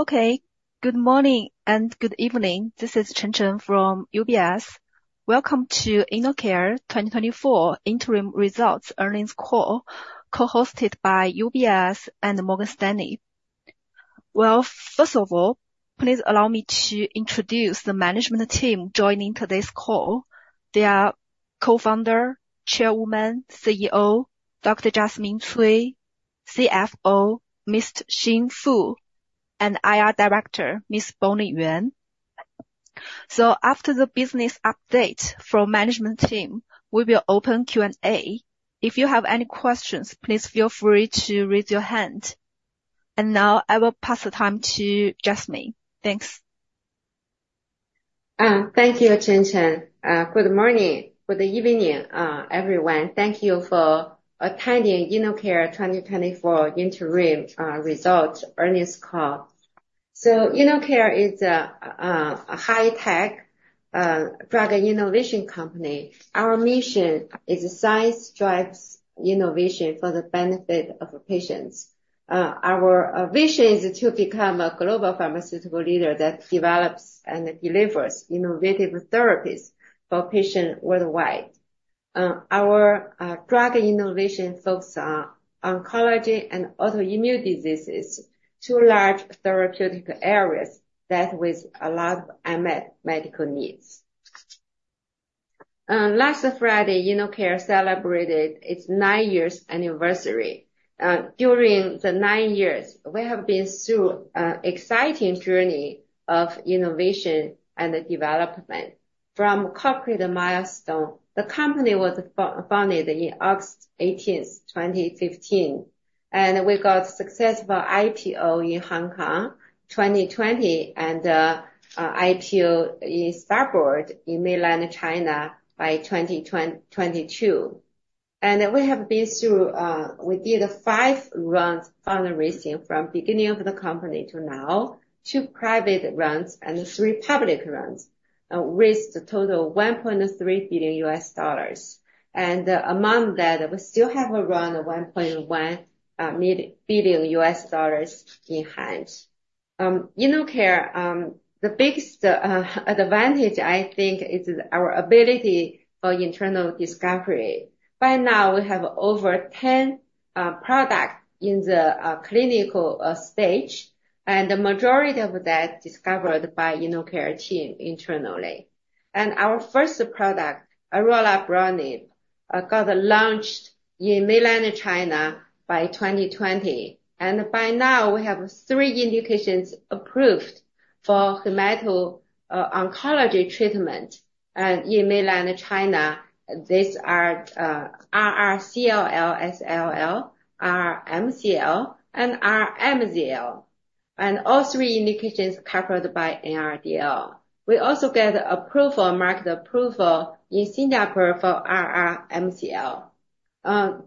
Okay, good morning and good evening. This is Chen Chen from UBS. Welcome to InnoCare 2024 interim results earnings call, co-hosted by UBS and Morgan Stanley. Well, first of all, please allow me to introduce the management team joining today's call. They are Co-founder, Chairwoman, CEO, Dr. Jasmine Cui, CFO, Mr. Xin Fu, and IR Director, Ms. Bonnie Yuan. So after the business update from management team, we will open Q&A. If you have any questions, please feel free to raise your hand. And now I will pass the time to Jasmine. Thanks. Thank you, Chen Chen. Good morning, good evening, everyone. Thank you for attending InnoCare 2024 interim results earnings call. So InnoCare is a high-tech drug innovation company. Our mission is science drives innovation for the benefit of patients. Our vision is to become a global pharmaceutical leader that develops and delivers innovative therapies for patients worldwide. Our drug innovation focus on oncology and autoimmune diseases, two large therapeutic areas that with a lot of unmet medical needs. Last Friday, InnoCare celebrated its nine years anniversary. During the nine years, we have been through an exciting journey of innovation and development. From concrete milestone, the company was founded in August eighteenth, 2015, and we got successful IPO in Hong Kong, 2020, and IPO in STAR board in mainland China by 2022. We have been through. We did five rounds fundraising from beginning of the company to now, two private rounds and three public rounds, raised a total of $1.3 billion. And among that, we still have around $1.1 billion in hand. InnoCare, the biggest advantage, I think, is our ability for internal discovery. By now, we have over 10 products in the clinical stage, and the majority of that discovered by InnoCare team internally. And our first product, orelabrutinib, got launched in mainland China by 2020, and by now, we have three indications approved for hemato-oncology treatment in mainland China. These are RR-CLL/SLL, RR-MCL, and RR-MZL, and all three indications covered by NRDL. We also get approval, market approval in Singapore for RR-MCL.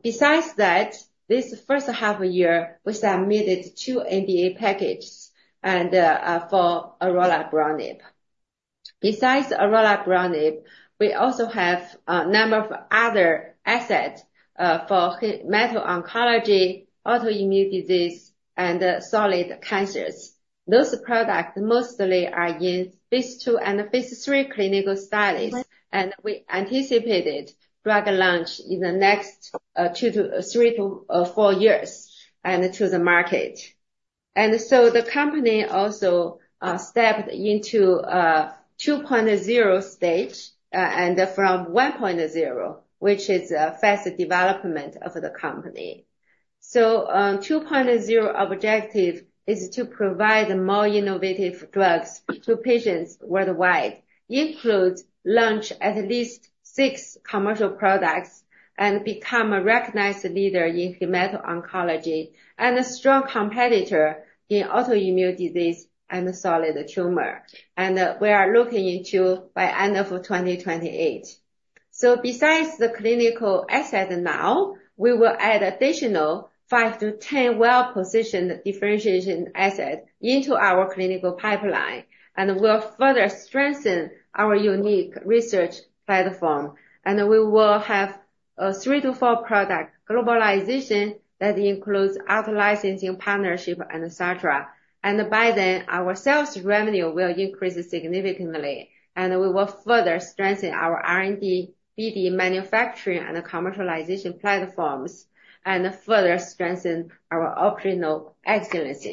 Besides that, this first half year, we submitted two NDA packages and for orelabrutinib. Besides orelabrutinib, we also have a number of other assets for hemato-oncology, autoimmune disease, and solid cancers. Those products mostly are in phase II and phase III clinical studies, and we anticipate drug launch in the next two to three to four years and to the market. The company also stepped into 2.0 stage and from 1.0, which is a fast development of the company. The 2.0 objective is to provide more innovative drugs to patients worldwide. It includes launch of at least six commercial products and become a recognized leader in hemato-oncology, and a strong competitor in autoimmune disease and solid tumor. We are looking to by end of 2028. Besides the clinical asset now, we will add additional five to 10 well-positioned differentiation assets into our clinical pipeline, and will further strengthen our unique research platform. We will have a three- to four-product globalization that includes out-licensing, partnership, and et cetera. By then, our sales revenue will increase significantly, and we will further strengthen our R&D, PD manufacturing, and commercialization platforms, and further strengthen our operational excellence.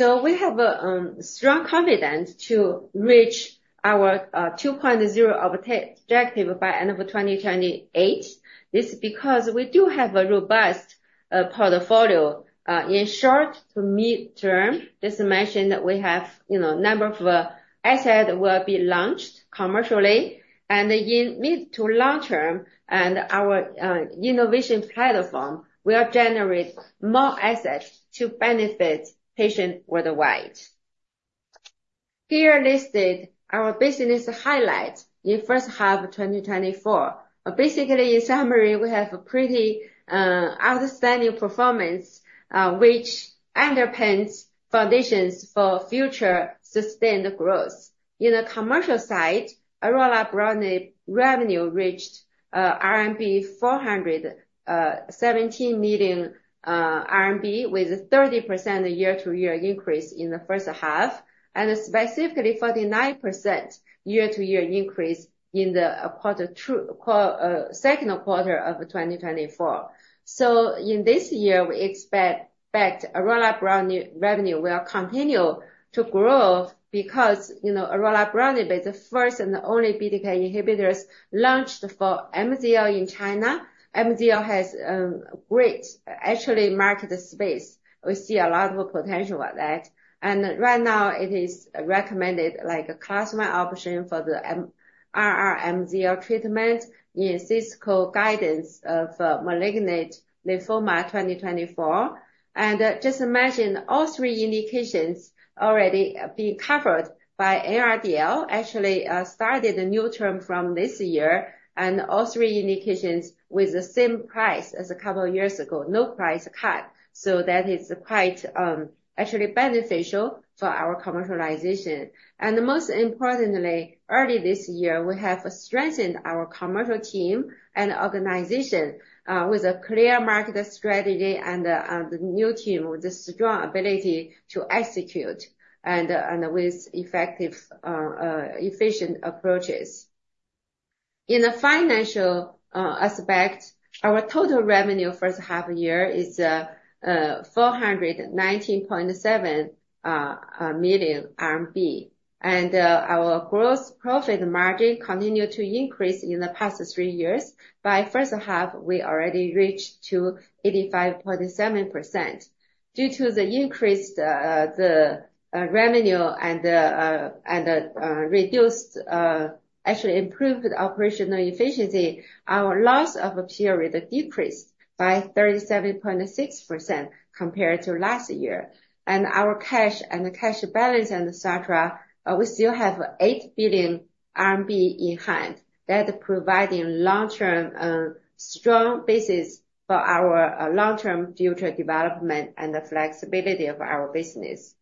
We have a strong confidence to reach our two point zero objective by end of 2028. This is because we do have a robust portfolio in short to mid-term. Just to mention that we have, you know, number of asset will be launched commercially and in mid to long term and our innovation platform will generate more assets to benefit patients worldwide. Here listed our business highlights in first half of 2024. Basically, in summary, we have a pretty outstanding performance which underpins foundations for future sustained growth. In the commercial side, orelabrutinib revenue reached 417 million RMB with a 30% year-to-year increase in the first half, and specifically 49% year-to-year increase in the second quarter of 2024. So in this year, we expect that orelabrutinib revenue will continue to grow because, you know, orelabrutinib is the first and the only BTK inhibitors launched for MCL in China. MCL has great actually market space. We see a lot of potential with that. And right now, it is recommended like a customer option for the M, RR MCL treatment in CSCO guidance of malignant lymphoma twenty twenty-four. And just imagine, all three indications already being covered by NRDL, actually, started a new term from this year, and all three indications with the same price as a couple of years ago, no price cut. So that is quite actually beneficial for our commercialization. Most importantly, early this year, we have strengthened our commercial team and organization with a clear market strategy and new team with a strong ability to execute and with effective, efficient approaches. In the financial aspect, our total revenue first half year is 419.7 million RMB, and our gross profit margin continued to increase in the past three years. By first half, we already reached to 85.7%. Due to the increased revenue and actually improved operational efficiency, our loss for the period decreased by 37.6% compared to last year. Our cash balance and et cetera, we still have 8 billion RMB in hand. That providing long-term, strong basis for our, long-term future development and the flexibility of our business.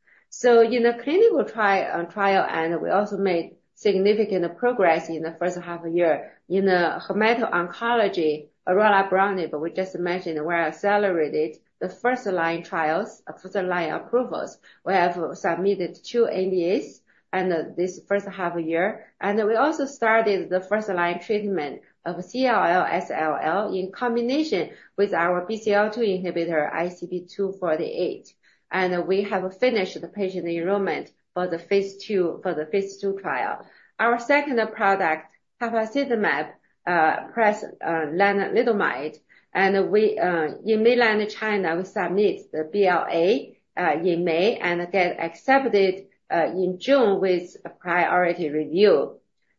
In the clinical trial, on trial, and we also made significant progress in the first half of the year. In the hemato-oncology, orelabrutinib, but we just mentioned we accelerated the first-line trials, first-line approvals. We have submitted two NDAs in this first half of the year, and we also started the first-line treatment of CLL/SLL in combination with our BCL-2 inhibitor, ICP-248. And we have finished the patient enrollment for the phase II trial. Our second product, tafasitamab, plus, lenalidomide, and we, in mainland China, we submit the BLA, in May and then accepted, in June with a priority review.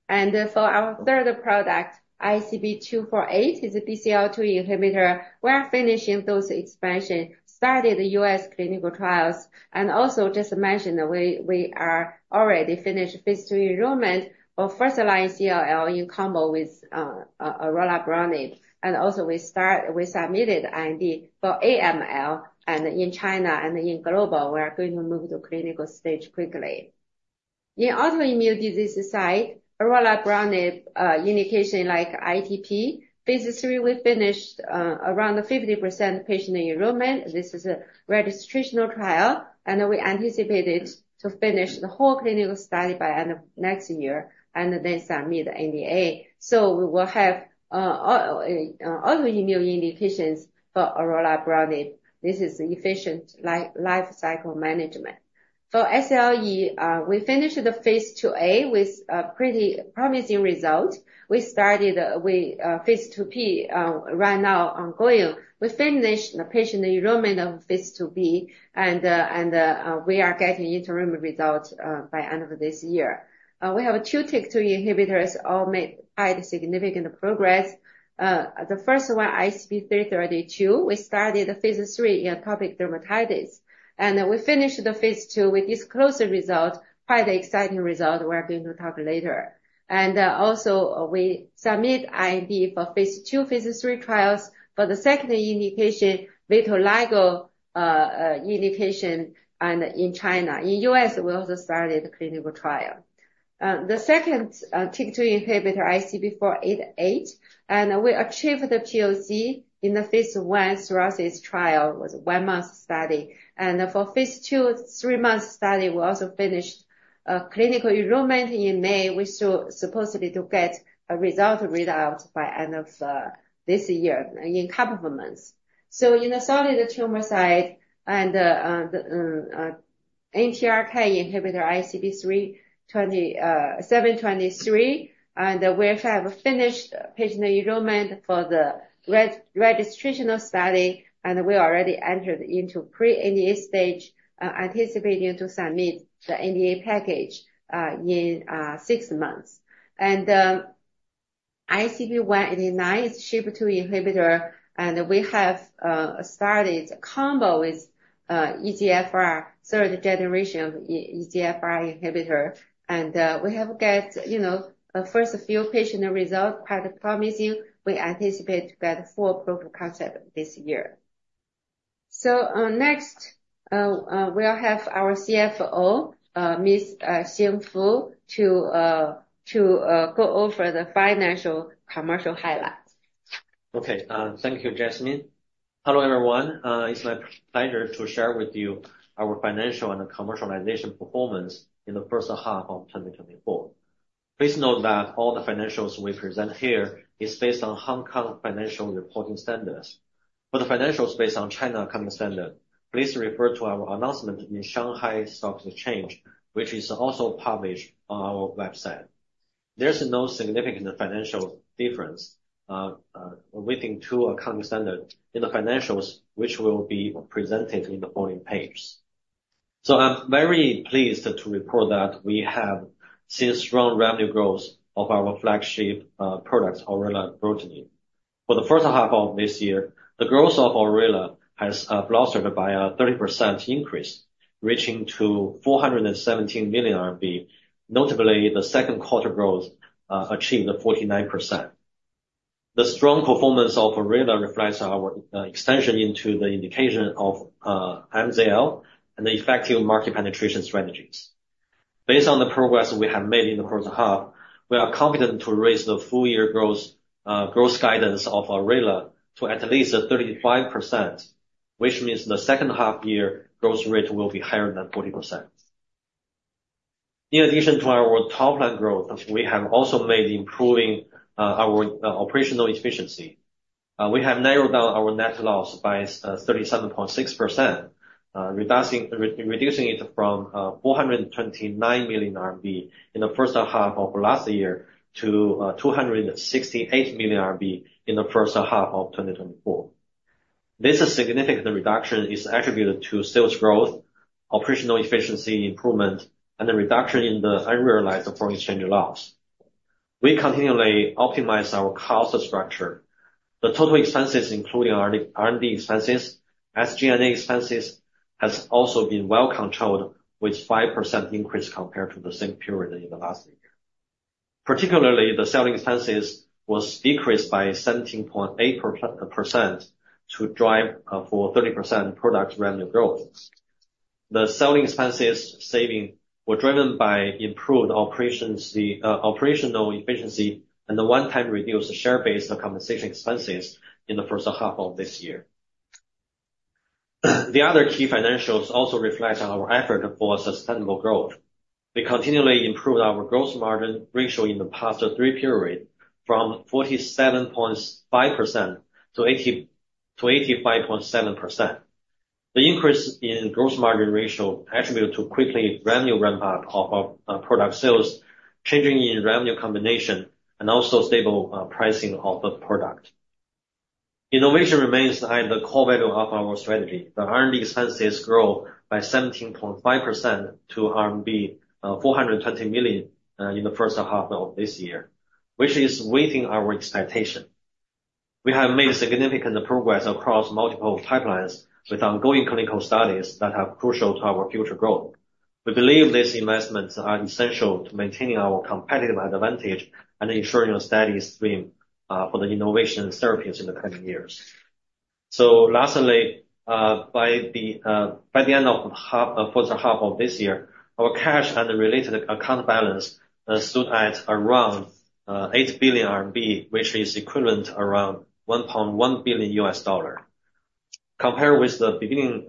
And for our third product, ICP-248, is a BCL-2 inhibitor. We are finishing those expansions, started the U.S. clinical trials, and also just mentioned that we are already finished phase III enrollment for first-line CLL in combo with orelabrutinib. And also we submitted IND for AML and in China and global, we are going to move to clinical stage quickly. In autoimmune disease side, orelabrutinib indication like ITP, phase III, we finished around 50% patient enrollment. This is a registrational trial, and we anticipated to finish the whole clinical study by end of next year and then submit NDA. So we will have autoimmune indications for orelabrutinib. This is efficient lifecycle management. For SLE, we finished the phase IIA with a pretty promising result. We started with phase IIB right now ongoing. We finished the patient enrollment of phase IIb, and we are getting interim results by end of this year. We have two TYK2 inhibitors, all made high significant progress. The first one, ICP-332, we started phase III in atopic dermatitis, and we finished the phase II. We disclosed the result, quite exciting result. We are going to talk later. Also, we submit IND for phase II, phase III trials for the second indication, vitiligo indication, and in China. In U.S., we also started the clinical trial. The second TYK2 inhibitor, ICP-488, and we achieved the POC in the phase I psoriasis trial, was one-month study. And for phase II, three-month study, we also finished clinical enrollment in May. We still supposedly to get a result read out by end of this year, in a couple of months. So in the solid tumor side and the NTRK inhibitor, ICP-723, and we have finished patient enrollment for the registrational study, and we already entered into pre-NDA stage, anticipating to submit the NDA package in six months. ICP-189 is SHP2 inhibitor, and we have started combo with EGFR, third generation EGFR inhibitor, and we have got, you know, a first few patient results, quite promising. We anticipate to get full proof of concept this year. - So, next, we'll have our CFO, Ms. Xin Fu, to go over the financial commercial highlights. Okay, thank you, Jasmine. Hello, everyone. It's my pleasure to share with you our financial and commercialization performance in the first half of twenty twenty-four. Please note that all the financials we present here is based on Hong Kong Financial Reporting Standards. For the financials based on China Accounting Standard, please refer to our announcement in Shanghai Stock Exchange, which is also published on our website. There's no significant financial difference within two accounting standard in the financials, which will be presented in the following pages. So I'm very pleased to report that we have seen strong revenue growth of our flagship products, orelabrutinib. For the first half of this year, the growth of orelabrutinib has blossomed by a 30% increase, reaching to 417 million RMB. Notably, the second quarter growth achieved 49%. The strong performance of orelabrutinib reflects our expansion into the indication of MZL and the effective market penetration strategies. Based on the progress we have made in the first half, we are confident to raise the full year growth guidance of orelabrutinib to at least 35%, which means the second half year growth rate will be higher than 40%. In addition to our top line growth, we have also made improving our operational efficiency. We have narrowed down our net loss by 37.6%, reducing it from 429 million RMB in the first half of last year to 268 million RMB in the first half of 2024. This significant reduction is attributed to sales growth, operational efficiency improvement, and a reduction in the unrealized foreign exchange loss. We continually optimize our cost structure. The total expenses, including R and D expenses, SG&A expenses, has also been well controlled, with 5% increase compared to the same period in the last year. Particularly, the selling expenses was decreased by 17.8% to drive, for 30% product revenue growth. The selling expenses saving were driven by improved operations, operational efficiency, and the one-time reduced share-based compensation expenses in the first half of this year. The other key financials also reflect on our effort for sustainable growth. We continually improved our gross margin ratio in the past three period, from 47.5% to 80% to 85.7%. The increase in gross margin ratio attributed to quickly revenue ramp up of, product sales, changing in revenue combination, and also stable, pricing of the product. Innovation remains the core value of our strategy. The R&D expenses grow by 17.5% to RMB 420 million in the first half of this year, which is within our expectation. We have made significant progress across multiple pipelines with ongoing clinical studies that are crucial to our future growth. We believe these investments are essential to maintaining our competitive advantage and ensuring a steady stream for the innovation therapies in the coming years. Lastly, by the end of the first half of this year, our cash and related account balance stood at around 8 billion RMB, which is equivalent around $1.1 billion. Compared with the beginning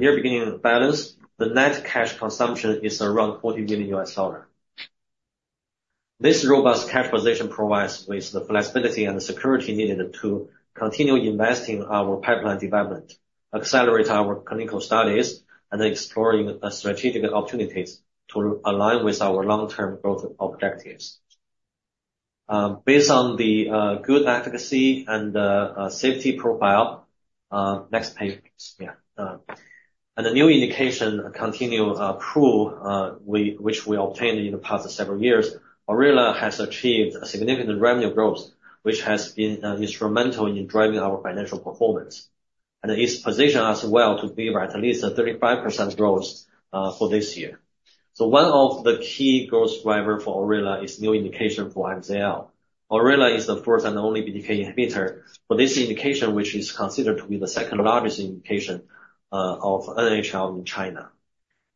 year beginning balance, the net cash consumption is around $40 billion. This robust cash position provides with the flexibility and the security needed to continue investing our pipeline development, accelerate our clinical studies, and exploring strategic opportunities to align with our long-term growth objectives. Based on the good efficacy and the safety profile and the new indication continued approvals which we obtained in the past several years, orelabrutinib has achieved a significant revenue growth, which has been instrumental in driving our financial performance, and it positions us well to deliver at least a 35% growth for this year. One of the key growth driver for orelabrutinib is new indication for MZL. orelabrutinib is the first and only BTK inhibitor for this indication, which is considered to be the second largest indication of NHL in China.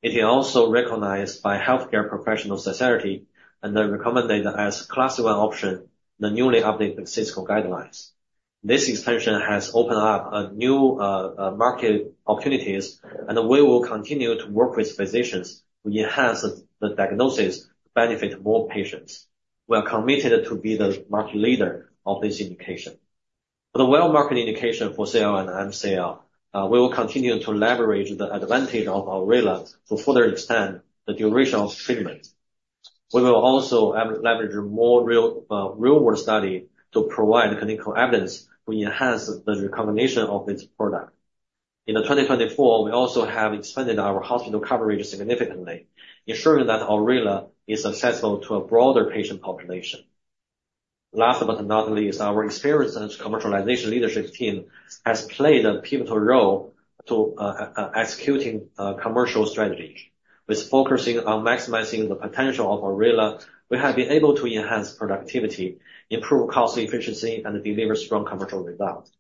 It is also recognized by healthcare professional society, and they recommend it as Class One option, the newly updated CSCO guidelines. This expansion has opened up new market opportunities, and we will continue to work with physicians to enhance the diagnosis to benefit more patients. We are committed to be the market leader of this indication. For the R/R indication for CLL and MCL, we will continue to leverage the advantage of orelabrutinib to further extend the duration of treatment. We will also leverage more real world study to provide clinical evidence to enhance the recommendation of this product. In 2024, we also have expanded our hospital coverage significantly, ensuring that orelabrutinib is accessible to a broader patient population. Last but not least, our experienced commercialization leadership team has played a pivotal role to executing commercial strategy. With focusing on maximizing the potential of orelabrutinib, we have been able to enhance productivity, improve cost efficiency, and deliver strong commercial results.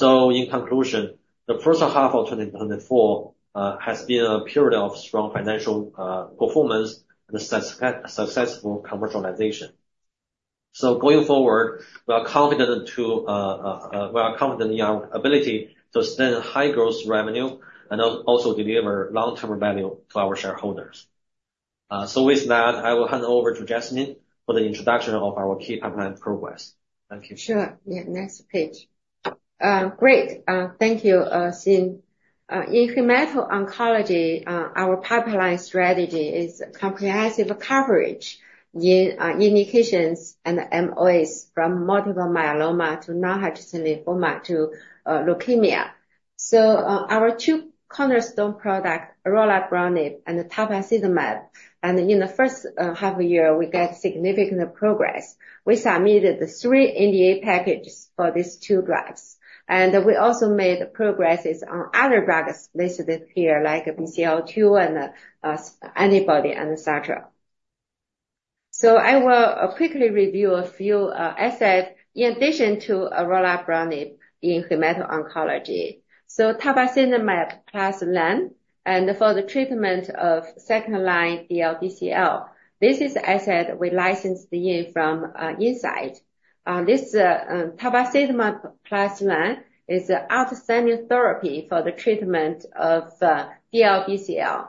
In conclusion, the first half of twenty twenty-four has been a period of strong financial performance and a successful commercialization. Going forward, we are confident to we are confident in our ability to sustain high growth revenue and also deliver long-term value to our shareholders. So with that, I will hand over to Jasmine for the introduction of our key pipeline progress. Thank you. Sure. Yeah, next page. Great, thank you, Xin. In hemato-oncology, our pipeline strategy is comprehensive coverage in indications and MOAs, from multiple myeloma to non-Hodgkin's lymphoma to leukemia. So, our two cornerstone product, orelabrutinib and the tafasitamab, and in the first half of the year, we got significant progress. We submitted the three NDA packages for these two drugs, and we also made progresses on other drugs listed here, like BCL-2 and antibody and et cetera. So I will quickly review a few assets in addition to orelabrutinib in hemato-oncology. So tafasitamab plus len, and for the treatment of second-line DLBCL, this is asset we licensed in from Incyte. This tafasitamab plus len is an outstanding therapy for the treatment of DLBCL.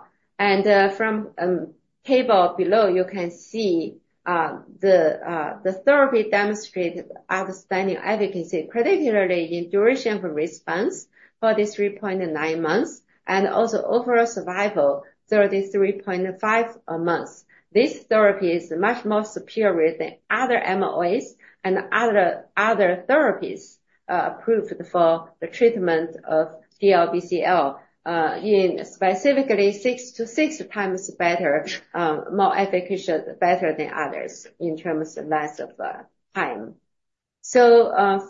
From the table below, you can see the therapy demonstrated outstanding efficacy, particularly in duration of response for the 3.9 months, and also overall survival, 33.5 months. This therapy is much more superior than other MOAs and other therapies approved for the treatment of DLBCL, in specifically six to six times better, more efficacious, better than others in terms of length of time. For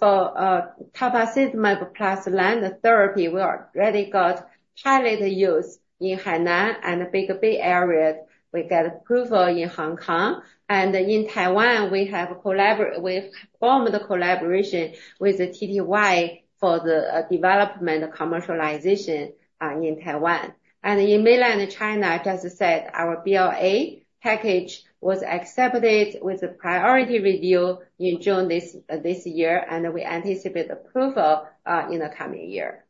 tafasitamab plus len therapy, we already got highly used in Hainan and Greater Bay Area. We got approval in Hong Kong, and in Taiwan, we have formed a collaboration with the TTY for the development and commercialization in Taiwan. In mainland China, just said, our BLA package was accepted with a priority review in June this year, and we anticipate approval in the coming year.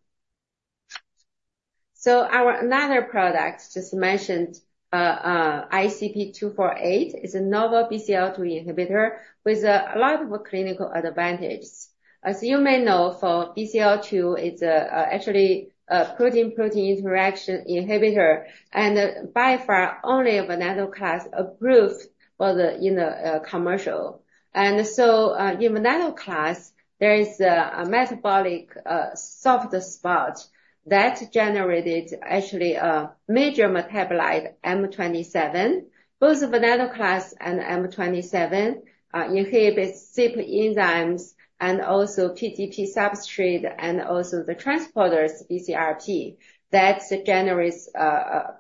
Our another product just mentioned, ICP-248, is a novel BCL-2 inhibitor with a lot of clinical advantages. As you may know, for BCL-2, it's actually a protein-protein interaction inhibitor and, so far, only venetoclax approved for the in the commercial. In venetoclax, there is a metabolic soft spot that generated actually a major metabolite, M27. Both venetoclax and M27 inhibit CYP enzymes and also P-gp substrate, and also the transporters, BCRP, that generates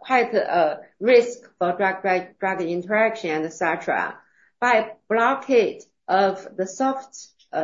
quite risk for drug-drug interaction, et cetera. By blockade of the soft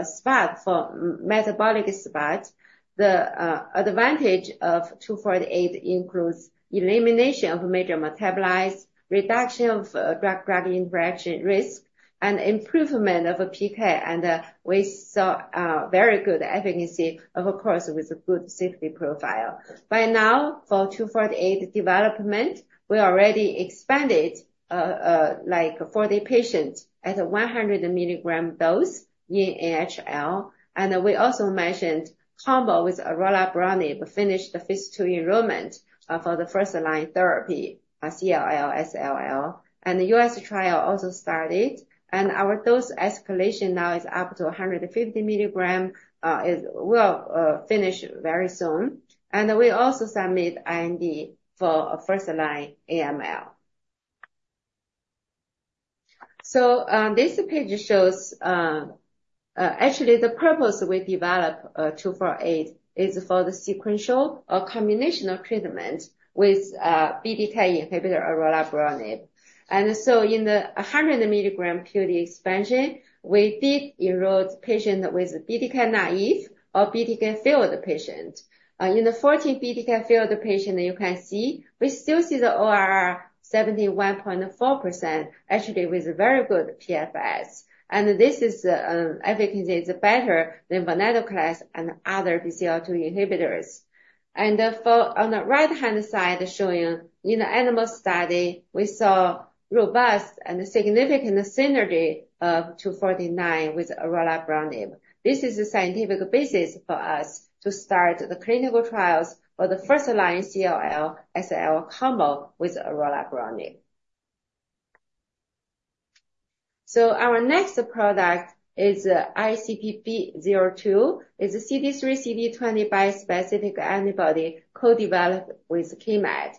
spot for metabolic spot, the advantage of 248 includes elimination of major metabolites, reduction of drug-drug interaction risk, and improvement of a PK, and we saw very good efficacy, of course, with a good safety profile. By now, for 248 development, we already expanded, like 40 patient at a 100 mg dose in AHL. We also mentioned combo with orelabrutinib finished the phase II enrollment for the first line therapy, CLL, SLL. The U.S. trial also started, and our dose escalation now is up to 150 mg, will finish very soon. We also submit IND for first-line AML. This page shows, actually the purpose we develop 248, is for the sequential or combinational treatment with BTK inhibitor orelabrutinib. In the 100 milligram PD expansion, we did enroll patient with BTK naive or BTK-filled patient. In the 40 BTK-filled patient, you can see, we still see the ORR 71.4%, actually, with a very good PFS. And this efficacy is better than venetoclax and other BCL-2 inhibitors. And for on the right-hand side, showing in animal study, we saw robust and significant synergy of 248 with orelabrutinib. This is a scientific basis for us to start the clinical trials for the first-line CLL, SLL combo with orelabrutinib. Our next product is ICP-B02. It's a CD3/CD20 specific antibody co-developed with KeyMed.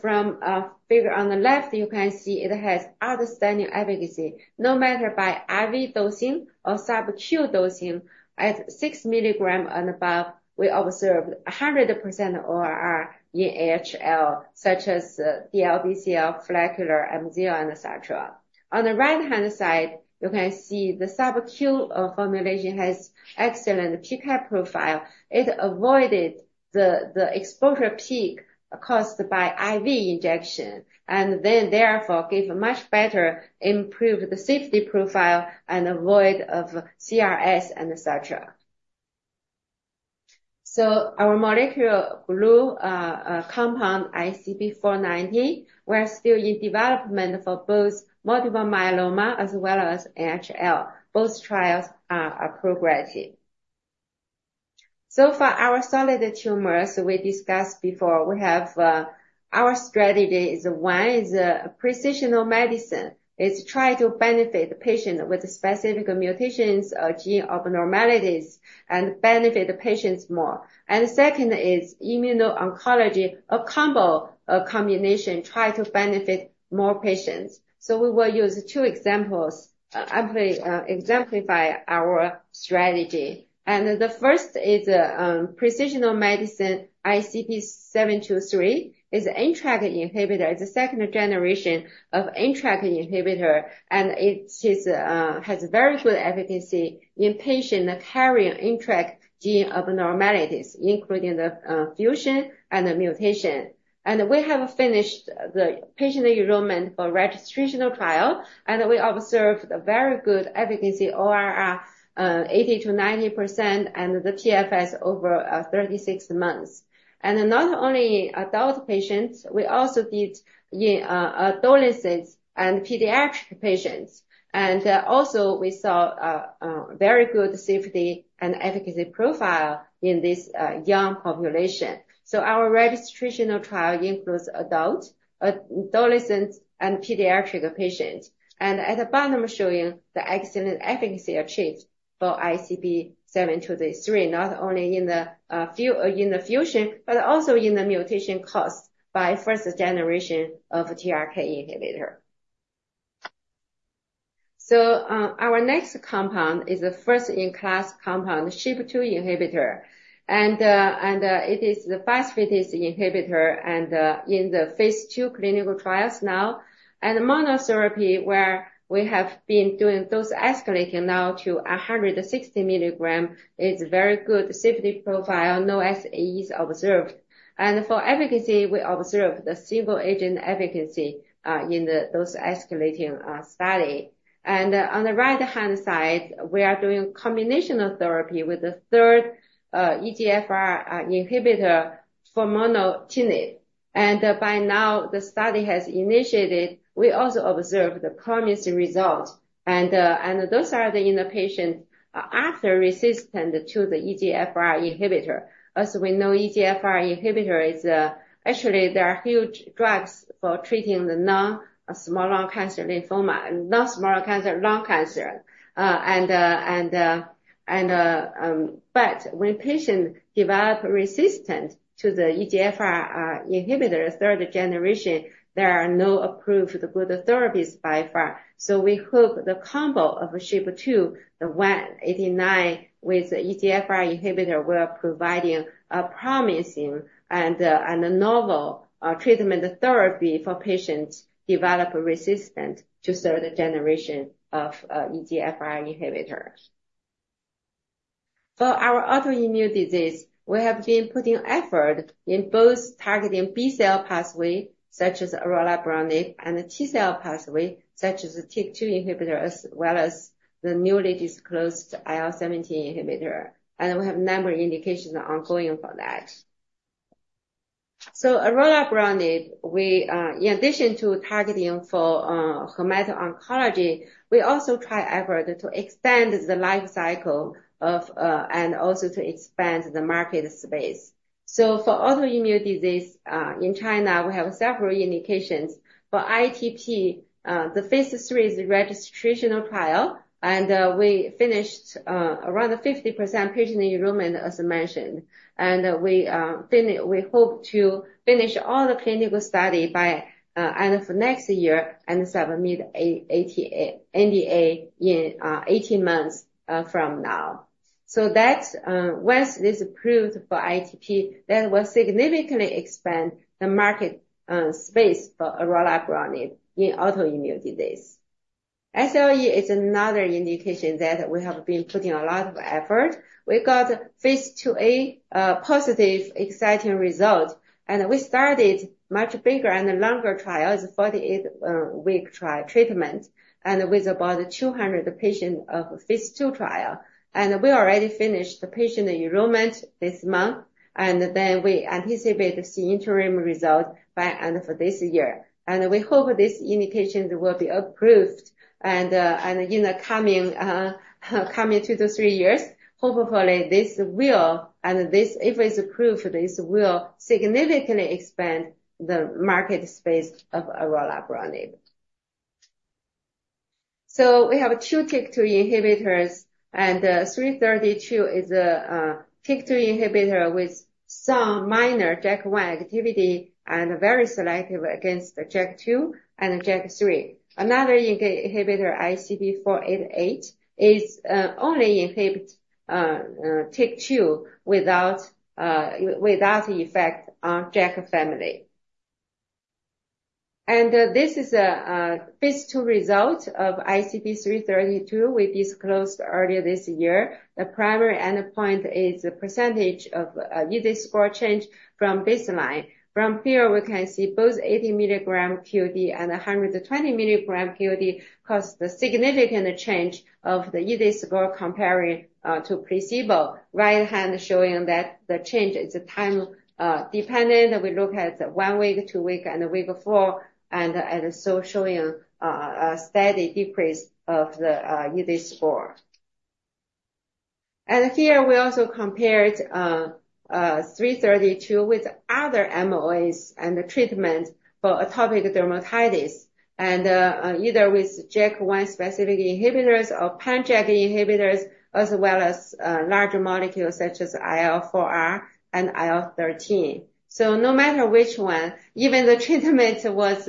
From figure on the left, you can see it has outstanding efficacy, no matter by IV dosing or sub-Q dosing. At six milligrams and above, we observed 100% ORR in HL, such as DLBCL, follicular, MZ, and et cetera. On the right-hand side, you can see the sub-Q formulation has excellent PK profile. It avoided the exposure peak caused by IV injection, and then therefore gave a much better improved safety profile and avoidance of CRS and et cetera. Our molecular glue compound, ICP-490, we're still in development for both multiple myeloma as well as NHL. Both trials are progressing. For our solid tumors, we discussed before, we have our strategy is one is precision medicine. It's try to benefit the patient with specific mutations, gene abnormalities, and benefit the patients more. Second is immuno-oncology, a combo, a combination, try to benefit more patients. We will use two examples, and they exemplify our strategy. The first is precision medicine, ICP-723. It's an NTRK inhibitor. It's a second generation of NTRK inhibitor, and it has very good efficacy in patient carrying NTRK gene abnormalities, including the fusion and the mutation. We have finished the patient enrollment for registrational trial, and we observed a very good efficacy ORR, 80%-90%, and the PFS over 36 months. Not only adult patients, we also did in adolescents and pediatric patients. Also we saw very good safety and efficacy profile in this young population. Our registrational trial includes adult, adolescents, and pediatric patients. At the bottom, showing the excellent efficacy achieved for ICP-723, not only in the fusion, but also in the mutation caused by first generation of TRK inhibitor. Our next compound is a first-in-class compound, SHP2 inhibitor. It is the phosphatase inhibitor and in the phase II clinical trials now. In monotherapy, where we have been doing dose escalating now to 160 milligrams, there is a very good safety profile, no SEs observed. For efficacy, we observed the single agent efficacy in the dose escalating study. On the right-hand side, we are doing combination therapy with the third EGFR inhibitor furmonertinib. By now, the study has initiated. We also observed the promising result, and those are in patients resistant to the EGFR inhibitor. As we know, EGFR inhibitor is, actually, they are huge drugs for treating the non-small cell lung cancer lymphoma, and non-small cell lung cancer. But when patient develop resistance to the EGFR, inhibitor, third generation, there are no approved good therapies by far. So we hope the combo of SHP2, the WNT89 with the EGFR inhibitor, we're providing a promising and, and a novel, treatment therapy for patients develop resistance to third generation of, EGFR inhibitors. For our autoimmune disease, we have been putting effort in both targeting B-cell pathway, such as orelabrutinib, and the T-cell pathway, such as the TYK2 inhibitor, as well as the newly disclosed IL-17 inhibitor, and we have number indications ongoing for that. orelabrutinib, we in addition to targeting for hemato-oncology, we also try effort to expand the life cycle of and also to expand the market space. For autoimmune disease in China, we have several indications. For ITP the phase III is registrational trial, and we finished around 50% patient enrollment, as mentioned. We hope to finish all the clinical study by end of next year and submit the NDA in 18 months from now. That's once it is approved for ITP, that will significantly expand the market space for orelabrutinib in autoimmune disease. SLE is another indication that we have been putting a lot of effort. We got phase IIA positive, exciting result, and we started much bigger and longer trial. It's a 48-week trial treatment, and with about 200 patients of phase II trial. We already finished the patient enrollment this month, and then we anticipate the interim result by end of this year. We hope these indications will be approved and in the coming two to three years, hopefully, this will, and this, if it's approved, this will significantly expand the market space of orelabrutinib. So we have two TYK2 inhibitors, and ICP-332 is a TYK2 inhibitor with some minor JAK1 activity and very selective against the JAK2 and JAK3. Another inhibitor, ICP-488, is only inhibit TYK2 without effect on JAK family. This is a phase II result of ICP-332 we disclosed earlier this year. The primary endpoint is the percentage of EASI score change from baseline. From here, we can see both 80 milligram QD and 120 milligram QD cause the significant change of the EASI score comparing to placebo, right hand showing that the change is time dependent. We look at one week, two week, and week four, and so showing a steady decrease of the EASI score. And here, we also compared three thirty-two with other MOAs and treatment for atopic dermatitis, and either with JAK1-specific inhibitors or pan-JAK inhibitors, as well as larger molecules such as IL-4R and IL-13. So no matter which one, even the treatment was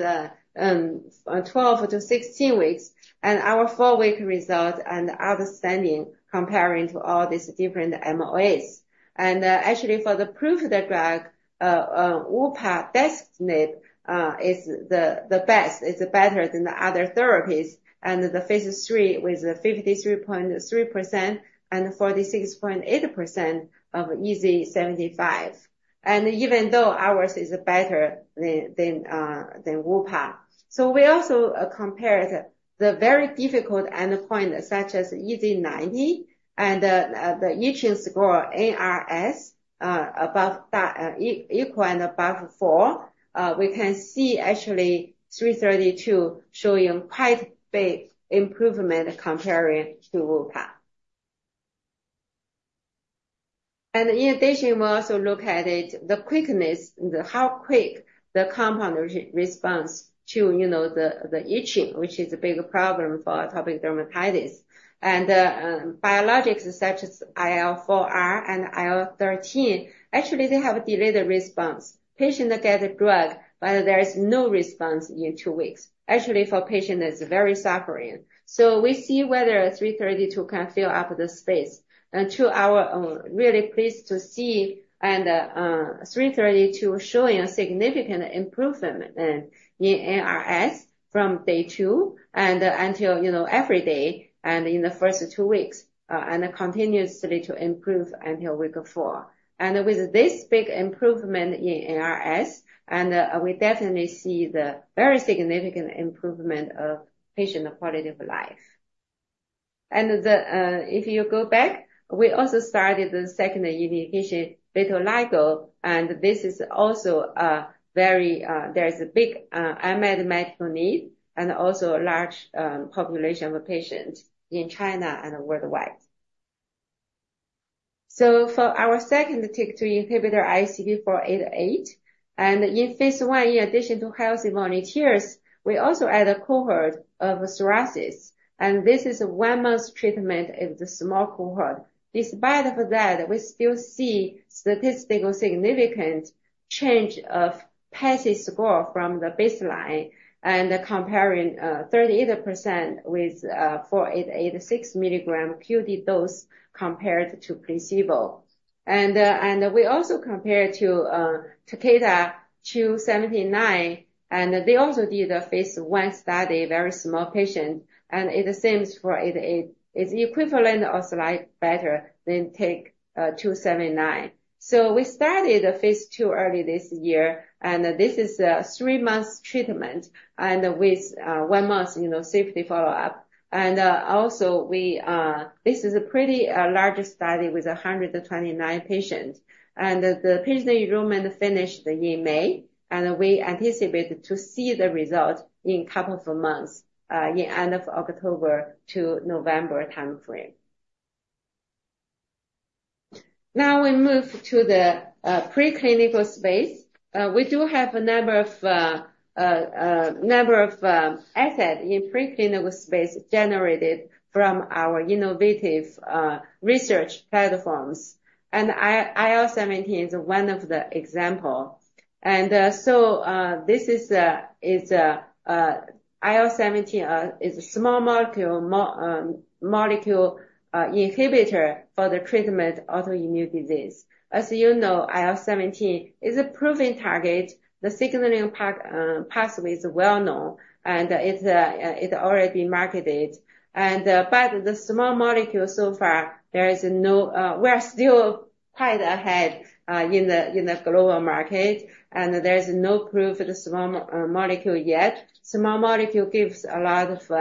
twelve to 16 weeks, and our four-week result are outstanding comparing to all these different MOAs. And actually, for the proof of the drug, upadacitinib is the best. It's better than the other therapies and the phase III with 53.3% and 46.8% of EASI-75. And even though ours is better than upadacitinib, so we also compared the very difficult endpoint, such as EASI-90 and the itching score, NRS, above that equal and above four. We can see actually three thirty-two showing quite big improvement comparing to upadacitinib. And in addition, we also look at it, the quickness, the how quick the compound responds to, you know, the itching, which is a big problem for atopic dermatitis. And biologics such as IL-4R and IL-13, actually, they have delayed response. Patient get a drug, but there is no response in two weeks, actually, for patient that is very suffering. So we see whether three thirty-two can fill up the space. And to our, really pleased to see and ICP-332 showing a significant improvement in EASI from day two and until, you know, every day and in the first two weeks, and continuously to improve until week four. And with this big improvement in EASI, we definitely see the very significant improvement of patient quality of life. And then, if you go back, we also started the second indication, vitiligo, and this is also a very big unmet medical need and also a large population of patients in China and worldwide. So for our second TYK2 inhibitor, ICP-488, and in phase I, in addition to healthy volunteers, we also add a cohort of psoriasis, and this is a one-month treatment in the small cohort. Despite of that, we still see statistical significant change of PASI score from the baseline and comparing 38% with 488 6 milligram QD dose compared to placebo. And we also compare to Takeda 279, and they also did a phase I study, very small patient, and it seems 488 is equivalent or slight better than TAK 279. So we started the phase II early this year, and this is a three-month treatment and with one month, you know, safety follow-up. And also, we, this is a pretty large study with 129 patients. And the patient enrollment finished in May, and we anticipate to see the result in couple of months in end of October to November time frame. Now, we move to the preclinical space. We do have a number of assets in preclinical space generated from our innovative research platforms, and IL-17 is one of the example. And so this is IL-17 is a small molecule molecule inhibitor for the treatment autoimmune disease. As you know, IL-17 is a proven target. The signaling path pathway is well known, and it's it's already marketed. And but the small molecule so far, there is no, we are still quite ahead in the global market, and there is no proof of the small molecule yet. Small molecule gives a lot of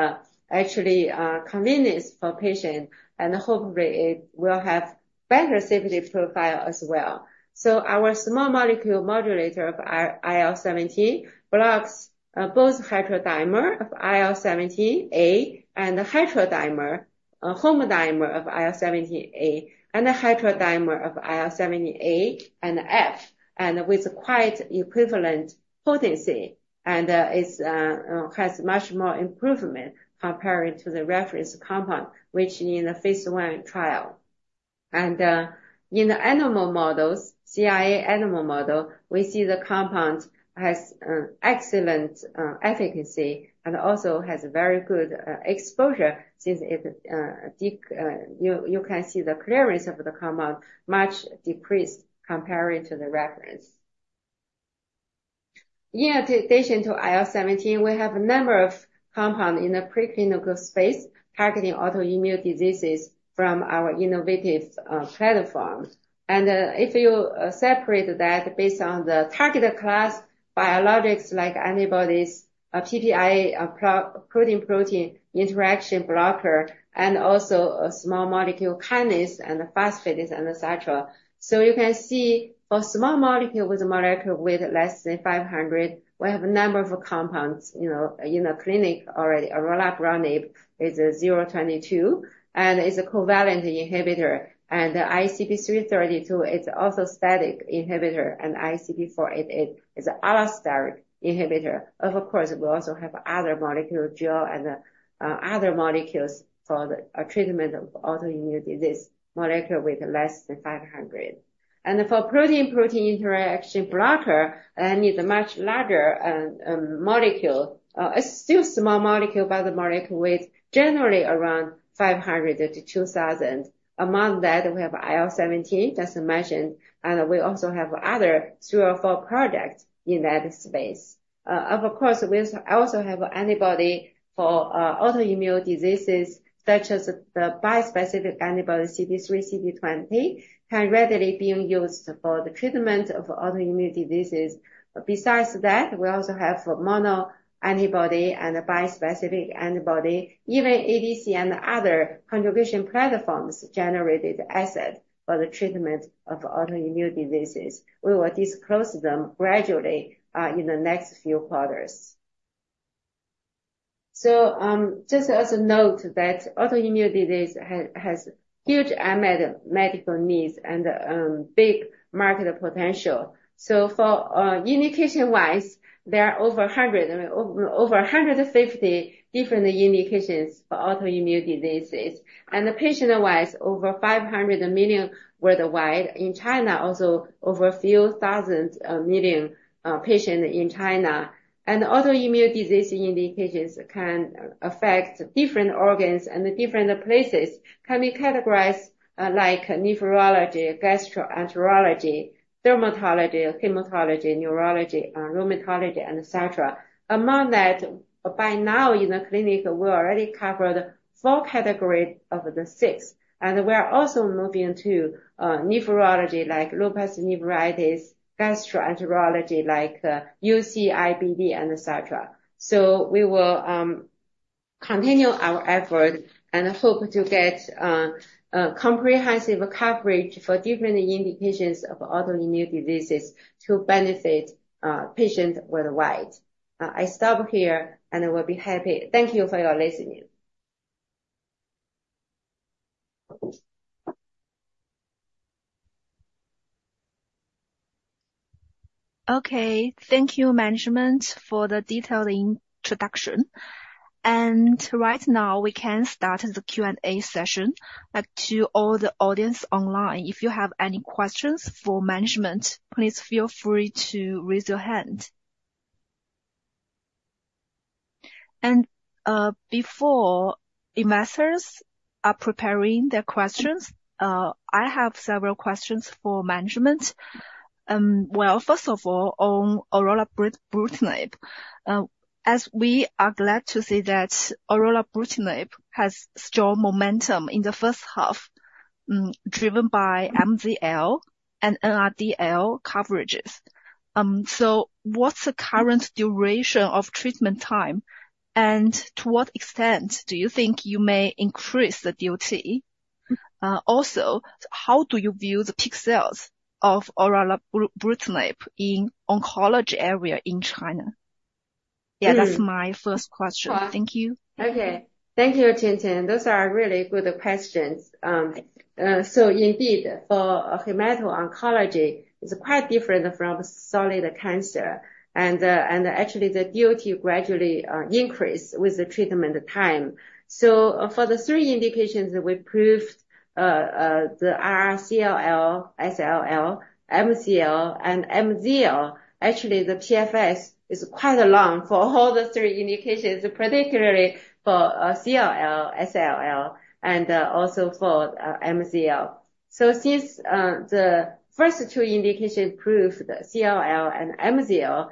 actually convenience for patient, and hopefully, it will have better safety profile as well. Our small molecule modulator of IL-17 blocks both the homodimer of IL-17A and the heterodimer of IL-17A and F, with quite equivalent potency, and has much more improvement comparing to the reference compound, which in the phase I trial. In the animal models, CIA animal model, we see the compound has excellent efficacy and also has very good exposure since you can see the clearance of the compound much decreased comparing to the reference. In addition to IL-17, we have a number of compounds in the preclinical space targeting autoimmune diseases from our innovative platform. If you separate that based on the targeted class, biologics like antibodies, a PPI, a protein-protein interaction blocker, and also a small molecule kinase and a phosphatase, et cetera. You can see for small molecule with less than five hundred, we have a number of compounds, you know, in the clinic already. orelabrutinib is ICP-022, and it's a covalent inhibitor. The ICP-332 is also allosteric inhibitor, and ICP-488 is an allosteric inhibitor. Of course, we also have other molecular glue and other molecules for the treatment of autoimmune disease, molecular with less than five hundred. For protein-protein interaction blocker, and is a much larger molecule. It's still small molecule, but the molecule with generally around five hundred to two thousand. Among that, we have IL-seventeen, just mentioned, and we also have other three or four products in that space. Of course, we also have antibody for autoimmune diseases such as the bispecific antibody CD3/CD20, can readily being used for the treatment of autoimmune diseases. Besides that, we also have mono antibody and a bispecific antibody, even ADC and other combination platforms generated assets for the treatment of autoimmune diseases. We will disclose them gradually in the next few quarters. Just as a note that autoimmune disease has huge unmet medical needs and big market potential. For indication-wise, there are over a hundred and fifty different indications for autoimmune diseases. And the patient-wise, over five hundred million worldwide. In China, also over a few thousand million patients in China. And autoimmune disease indications can affect different organs and different places, can be categorized, like nephrology, gastroenterology, dermatology, hematology, neurology, rheumatology, and et cetera. Among that, by now, in the clinic, we already covered four categories of the six, and we are also moving to, nephrology, like lupus nephritis, gastroenterology, like, UC, IBD, and et cetera. So we will, continue our effort and hope to get, a comprehensive coverage for different indications of autoimmune diseases to benefit, patients worldwide. I stop here, and I will be happy. Thank you for your listening. Okay, thank you, management, for the detailed introduction. And right now, we can start the Q&A session. To all the audience online, if you have any questions for management, please feel free to raise your hand. And, before investors are preparing their questions, I have several questions for management. Well, first of all, on orelabrutinib. As we are glad to see that orelabrutinib has strong momentum in the first half, driven by MCL and NRDL coverages. So, what's the current duration of treatment time, and to what extent do you think you may increase the DOT? Also, how do you view the peak sales of orelabrutinib in oncology area in China? Yeah, that's my first question. Thank you. Okay. Thank you, Tintin. Those are really good questions, so indeed, for hemato-oncology, it's quite different from solid cancer, and actually, the DOT gradually increased with the treatment time, so for the three indications that we proved, the RR-CLL, SLL, MCL, and MZL, actually, the PFS is quite long for all the three indications, particularly for CLL, SLL, and also for MCL, so since the first two indication proved the CLL and MZL,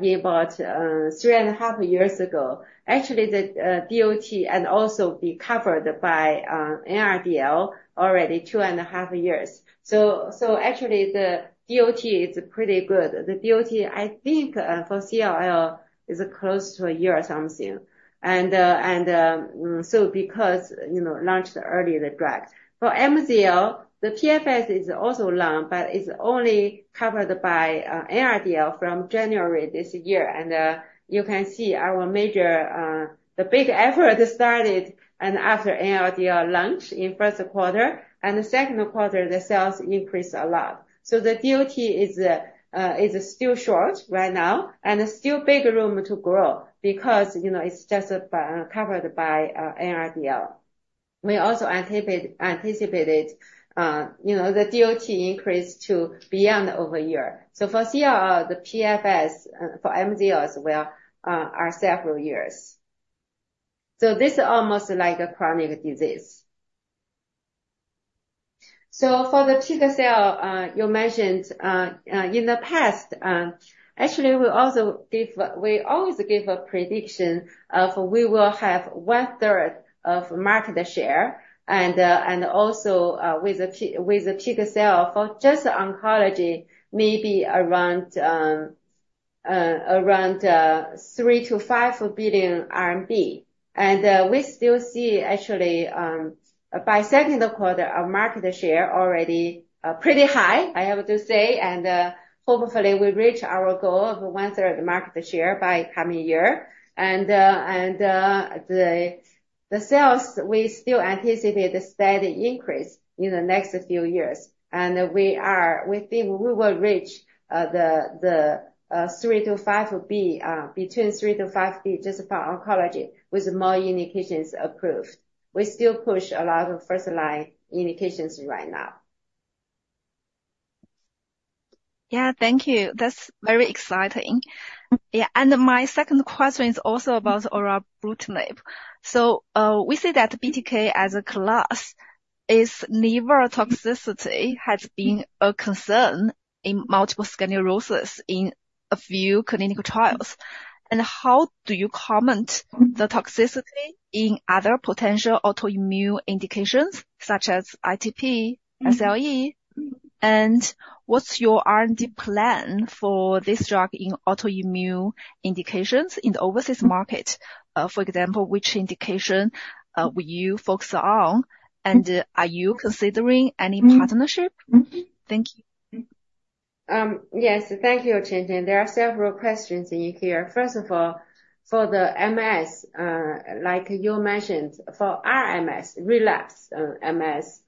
yeah, about three and a half years ago, actually, the DOT and also be covered by NRDL already two and a half years, so actually, the DOT is pretty good. The DOT, I think, for CLL, is close to a year or something, and so because, you know, launched earlier the drug. For MCL, the PFS is also long, but it's only covered by NRDL from January this year, and you can see our major, the big effort started, and after NRDL launched in first quarter, and the second quarter, the sales increased a lot, so the DOT is still short right now, and still big room to grow because, you know, it's just covered by NRDL. We also anticipated, you know, the DOT increase to over a year, so for R/R, the PFS for MCL as well are several years, so this is almost like a chronic disease. So for the TigaCell, you mentioned in the past, actually, we also give, we always give a prediction of we will have one-third of market share, and also with the TigaCell, for just oncology, maybe around 3-5 billion RMB. And we still see actually by second quarter, our market share already pretty high, I have to say, and hopefully we reach our goal of one-third market share by coming year. And the sales, we still anticipate a steady increase in the next few years, and we think we will reach the 3-5 B, between 3-5 B, just for oncology, with more indications approved. We still push a lot of first-line indications right now. Yeah, thank you. That's very exciting. Yeah, and my second question is also about our orelabrutinib. So, we see that BTK as a class, its liver toxicity has been a concern in multiple sclerosis in a few clinical trials. And how do you comment on the toxicity in other potential autoimmune indications such as ITP, SLE? And what's your R&D plan for this drug in autoimmune indications in the overseas market? For example, which indication will you focus on, and are you considering any partnership? Thank you. Yes, thank you, Chen Chen. There are several questions in here. First of all, for the MS, like you mentioned, for RMS, relapsed MS,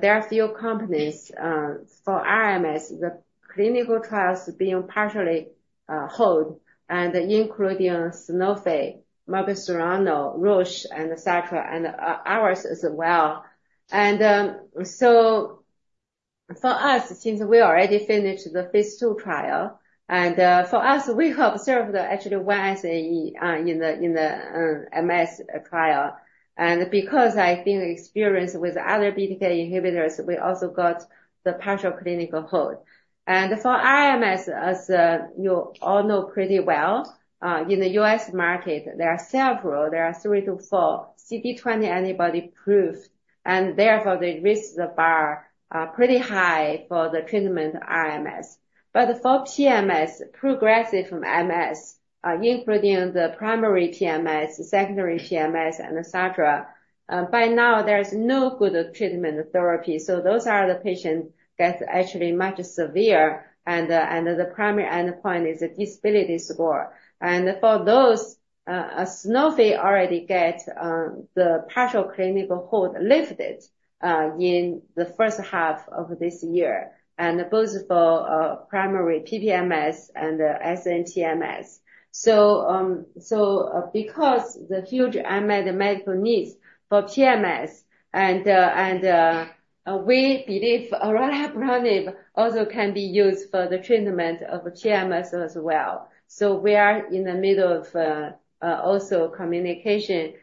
there are few companies for RMS, the clinical trials being partially hold and including Sanofi, Merck Serono, Roche, and et cetera, and ours as well. So for us, since we already finished the phase II trial, and for us, we have observed actually one SAE in the MS trial. And because I think experience with other BTK inhibitors, we also got the partial clinical hold. For RMS, as you all know pretty well, in the U.S. market, there are three to four CD20 antibodies approved, and therefore they raise the bar pretty high for the treatment RMS. But for PMS, progressive MS, including the primary PMS, secondary PMS, and et cetera, by now, there's no good treatment therapy. So those are the patients that's actually much severe, and the primary endpoint is the disability score. And for those, Sanofi already get the partial clinical hold lifted in the first half of this year, and both for primary PPMS and SPMS. So because the huge unmet medical needs for PMS and we believe orelabrutinib also can be used for the treatment of PMS as well. So we are in the middle of also communication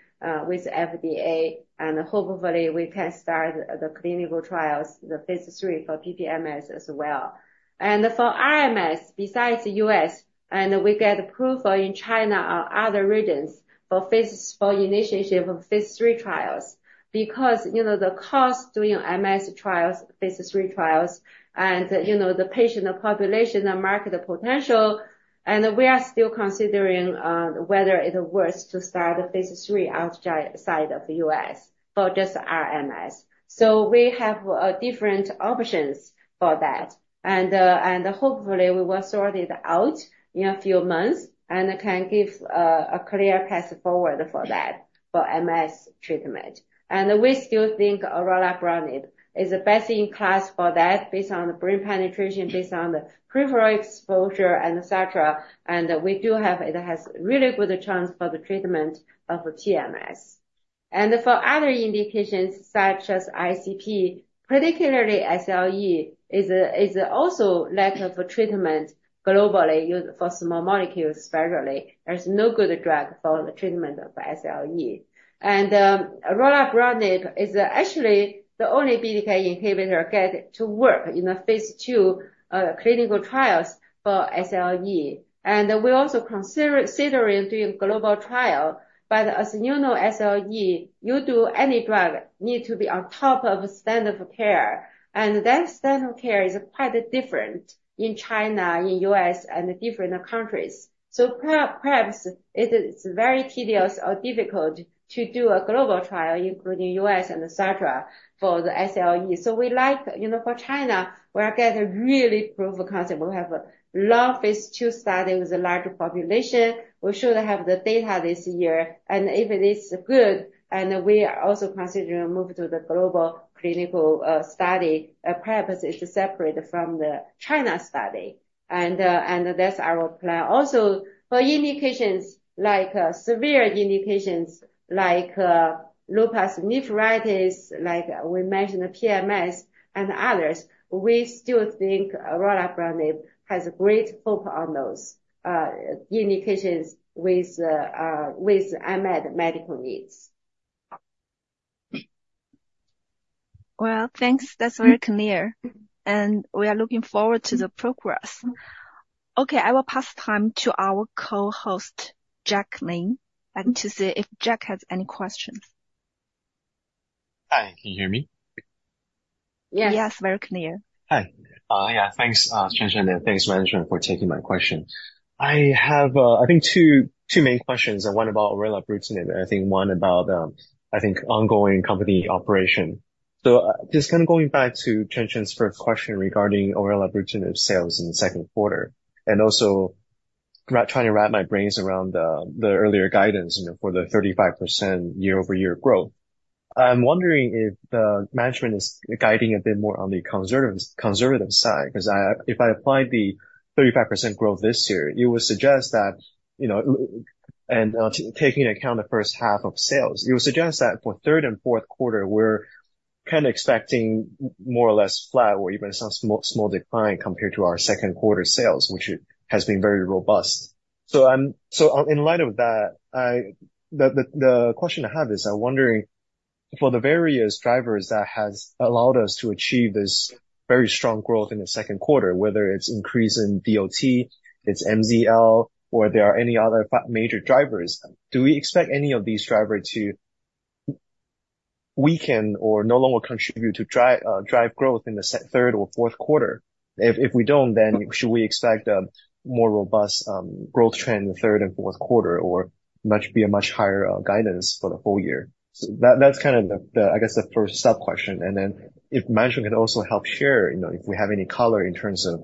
with FDA, and hopefully we can start the clinical trials, the phase III for PPMS as well. And for RMS, besides U.S., and we get approval in China or other regions for initiation of phase III trials, because, you know, the cost doing MS trials, phase III trials, and, you know, the patient population and market potential, and we are still considering whether it's worth to start a phase III outside of the U.S. for just RMS. So we have different options for that. And hopefully we will sort it out in a few months and can give a clear path forward for that, for MS treatment. And we still think orelabrutinib is the best in class for that, based on the brain penetration, based on the peripheral exposure and et cetera, and we do have it has really good chance for the treatment of PMS. For other indications such as ICP, particularly SLE, is also lack of treatment globally used for small molecules, especially. There's no good drug for the treatment of SLE. orelabrutinib is actually the only BTK inhibitor get to work in the phase II clinical trials for SLE. We're also considering doing global trial, but as you know, SLE, you do any drug, need to be on top of standard of care, and that standard of care is quite different in China, in U.S., and different countries. So perhaps it is very tedious or difficult to do a global trial, including U.S. and et cetera, for the SLE. So we like. You know, for China, we are getting really proof of concept. We have a large phase II study with a large population. We should have the data this year, and if it is good, and we are also considering a move to the global clinical study, perhaps it should separate from the China study, and that's our plan. Also, for indications like severe indications like lupus nephritis, like we mentioned, PMS and others, we still think orelabrutinib has great hope on those indications with unmet medical needs. Well, thanks. That's very clear, and we are looking forward to the progress. Okay, I will pass time to our co-host, Jack Ming, and to see if Jack has any questions. Hi, can you hear me? Yes, very clear. Hi. Yeah, thanks, Chen Chen, and thanks, management, for taking my question. I have, I think two main questions, and one about orelabrutinib, and I think one about, I think ongoing company operation. So, just kind of going back to Chen Chen's first question regarding orelabrutinib sales in the second quarter, and also trying to wrap my brains around the earlier guidance, you know, for the 35% year-over-year growth. I'm wondering if the management is guiding a bit more on the conservative, conservative side, 'cause if I applied the 35% growth this year, it would suggest that, you know, and taking into account the first half of sales, it would suggest that for third and fourth quarter, we're kind of expecting more or less flat or even some small decline compared to our second quarter sales, which has been very robust. So in light of that, the question I have is, I'm wondering, for the various drivers that has allowed us to achieve this very strong growth in the second quarter, whether it's increase in DOT, it's MZL, or there are any other major drivers, do we expect any of these drivers to weaken or no longer contribute to drive growth in the third or fourth quarter? If we don't, then should we expect a more robust growth trend in the third and fourth quarter, or be a much higher guidance for the whole year? So that's kind of the first sub-question. If management can also help share, you know, if we have any color in terms of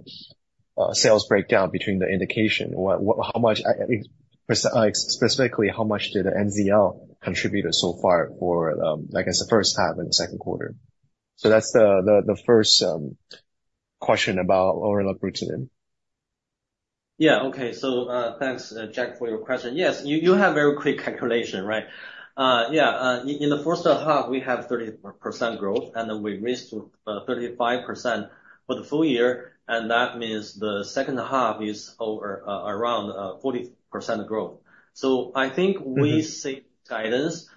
sales breakdown between the indication, what, how much, I mean, specifically, how much did the MZL contribute so far for, I guess, the first half and the second quarter? That's the first question about orelabrutinib. Yeah, okay. So, thanks, Jack, for your question. Yes, you have very quick calculation, right? Yeah, in the first half, we have 30% growth, and then we raised to 35% for the full year, and that means the second half is over around 40% growth. So I think we seek guidance,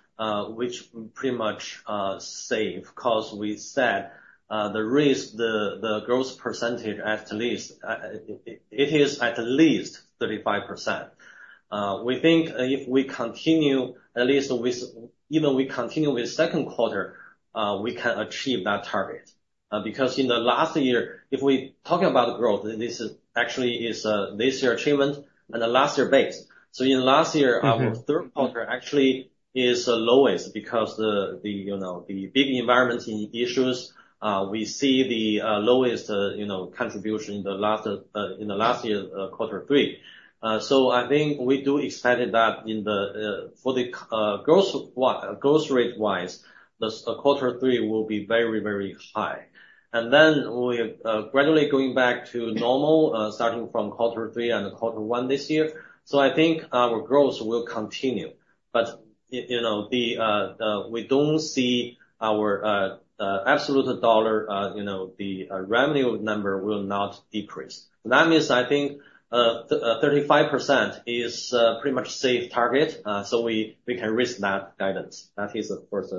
which pretty much safe, 'cause we said the risk, the growth percentage, at least it is at least 35%. We think if we continue, at least with, even we continue with second quarter, we can achieve that target. Because in the last year, if we talk about growth, this actually is this year achievement and the last year base. So in last year- Mm-hmm. Our third quarter actually is the lowest because the you know the big environment issues we see the lowest you know contribution in the last in the last year quarter three. So I think we do expect that in the for the growth rate-wise the quarter three will be very very high. And then we gradually going back to normal starting from quarter three and quarter one this year. So I think our growth will continue but you know we don't see our absolute dollar you know the revenue number will not decrease. That means I think 35% is pretty much safe target so we can risk that guidance. That is of course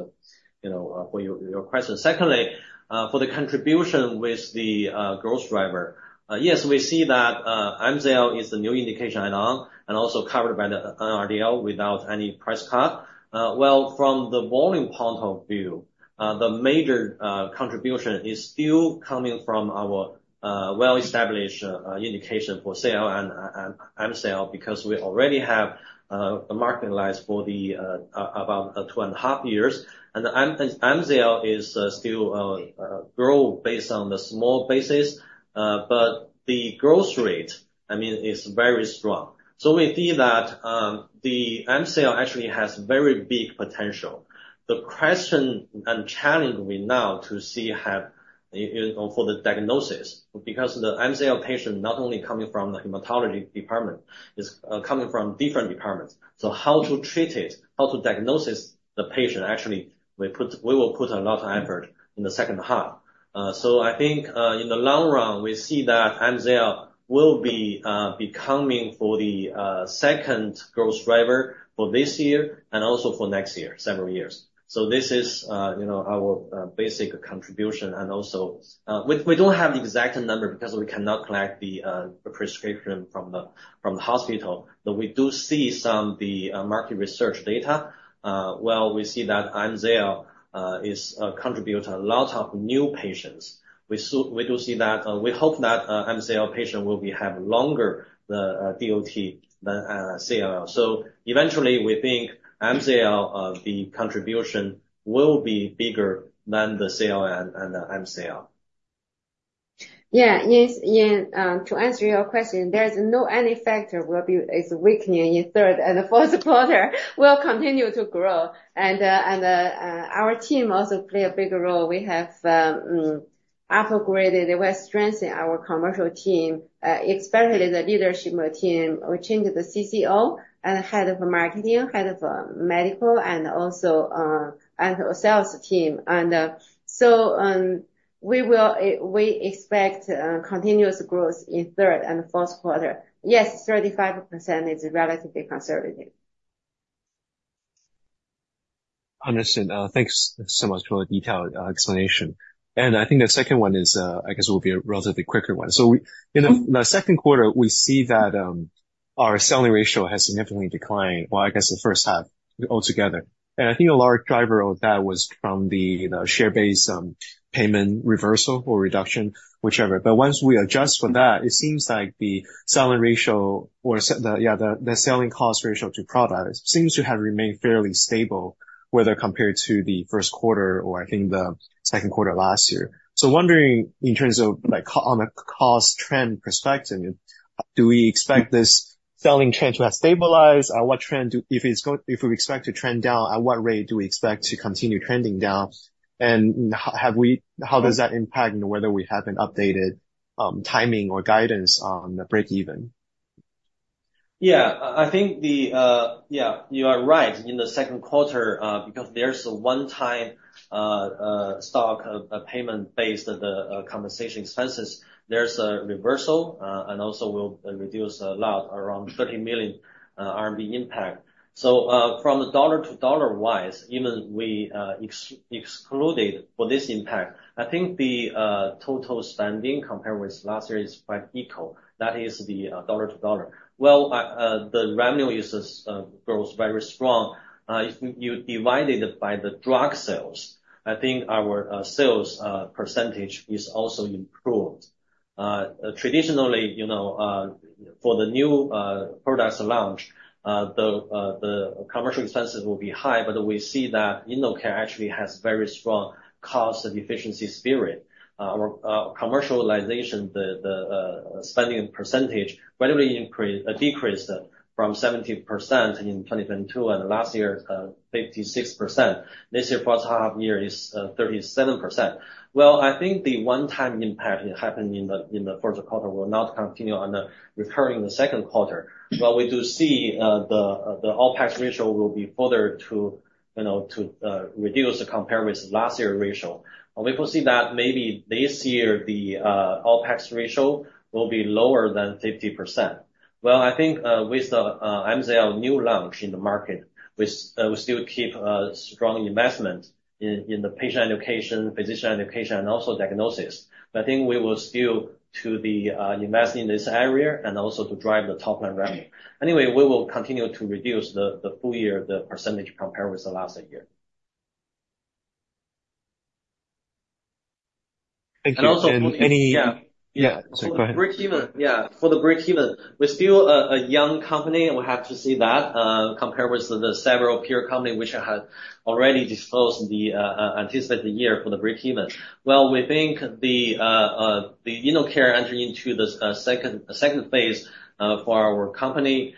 you know for your question. Secondly, for the contribution with the growth driver, yes, we see that MZL is a new indication and also covered by the NRDL without any price cut. Well, from the volume point of view, the major contribution is still coming from our well-established indication for SLL and MZL, because we already have a market launch for about two and a half years. And the MZL is still grow based on the small basis, but the growth rate, I mean, is very strong. So we see that the MZL actually has very big potential. The question and challenge we now to see have for the diagnosis, because the MZL patient not only coming from the hematology department, it's coming from different departments. So how to treat it, how to diagnose the patient, actually, we will put a lot of effort in the second half. I think, in the long run, we see that MZL will be becoming the second growth driver for this year and also for next year, several years. So this is, you know, our basic contribution and also- we don't have the exact number because we cannot collect the prescription from the hospital, but we do see some market research data. Well, we see that MZL is contribute a lot of new patients. We do see that, we hope that MZL patient will be have longer DOT than CLL. So eventually, we think MZL, the contribution will be bigger than the CLL and the MCL. Yeah, yes, yeah, to answer your question, there's no any factor will be, is weakening in third and the fourth quarter. We'll continue to grow, and, and, our team also play a bigger role. We have upgraded, we're strengthening our commercial team, especially the leadership team. We changed the CCO and head of marketing, head of medical, and also, and sales team. And so, - we will, we expect continuous growth in third and fourth quarter. Yes, 35% is relatively conservative. Understood. Thanks so much for the detailed explanation. And I think the second one is, I guess, will be a relatively quicker one. So in the second quarter, we see that, our selling ratio has significantly declined. Well, I guess, the first half altogether. And I think a large driver of that was from the, you know, share-based, payment reversal or reduction, whichever. But once we adjust for that, it seems like the selling ratio or the, the selling cost ratio to product seems to have remained fairly stable, whether compared to the first quarter or I think the second quarter last year. So wondering, in terms of, like, on a cost trend perspective, do we expect this selling trend to have stabilized? What trend? If we expect to trend down, at what rate do we expect to continue trending down? And how does that impact whether we have an updated timing or guidance on the break-even? Yeah. I think yeah, you are right. In the second quarter, because there's a one-time stock payment based of the compensation expenses, there's a reversal, and also will reduce a lot, around 30 million RMB impact. So, from dollar to dollar-wise, even we excluded for this impact, I think the total spending compared with last year is quite equal. That is the dollar to dollar. Well, the revenue uses grows very strong. If you divide it by the drug sales, I think our sales percentage is also improved. Traditionally, you know, for the new products launch, the commercial expenses will be high, but we see that InnoCare actually has very strong cost and efficiency spirit. Our commercialization, the spending percentage, whether we increase or decrease from 17% in 2022, and last year, 56%. This year, first half year is 37%. I think the one-time impact that happened in the first quarter will not continue on the recurring the second quarter. But we do see the OpEx ratio will be further to, you know, to reduce compared with last year ratio. And we foresee that maybe this year the OpEx ratio will be lower than 50%. I think with the our MZL new launch in the market, we still keep a strong investment in the patient education, physician education, and also diagnosis. I think we will still invest in this area and also to drive the top-line revenue. Anyway, we will continue to reduce the full year the percentage compared with the last year. Thank you. And also- Yeah. Yeah, go ahead. Break even, yeah. For the break even, we're still a young company, and we have to see that, compared with the several peer company which have already disclosed the anticipated year for the break even. We think the InnoCare entering into this second phase for our company.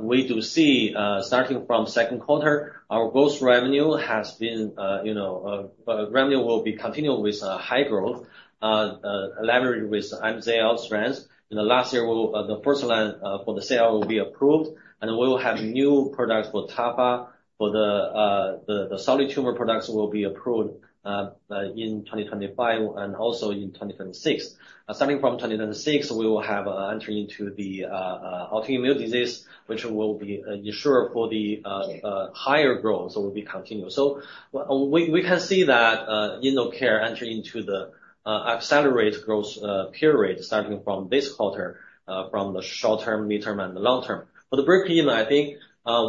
We do see starting from second quarter, our gross revenue has been, you know, revenue will be continuing with a high growth, leveraged with MZL strengths. In the last year, we will the first line for the sale will be approved, and we will have new products for tafasitamab. For the the solid tumor products will be approved in twenty twenty-five and also in twenty twenty-six. Starting from 2026, we will have entry into the autoimmune disease, which will ensure for the higher growth, so will be continuous. So we can see that InnoCare entering into the accelerated growth period, starting from this quarter, from the short term, midterm and the long term. For the break even, I think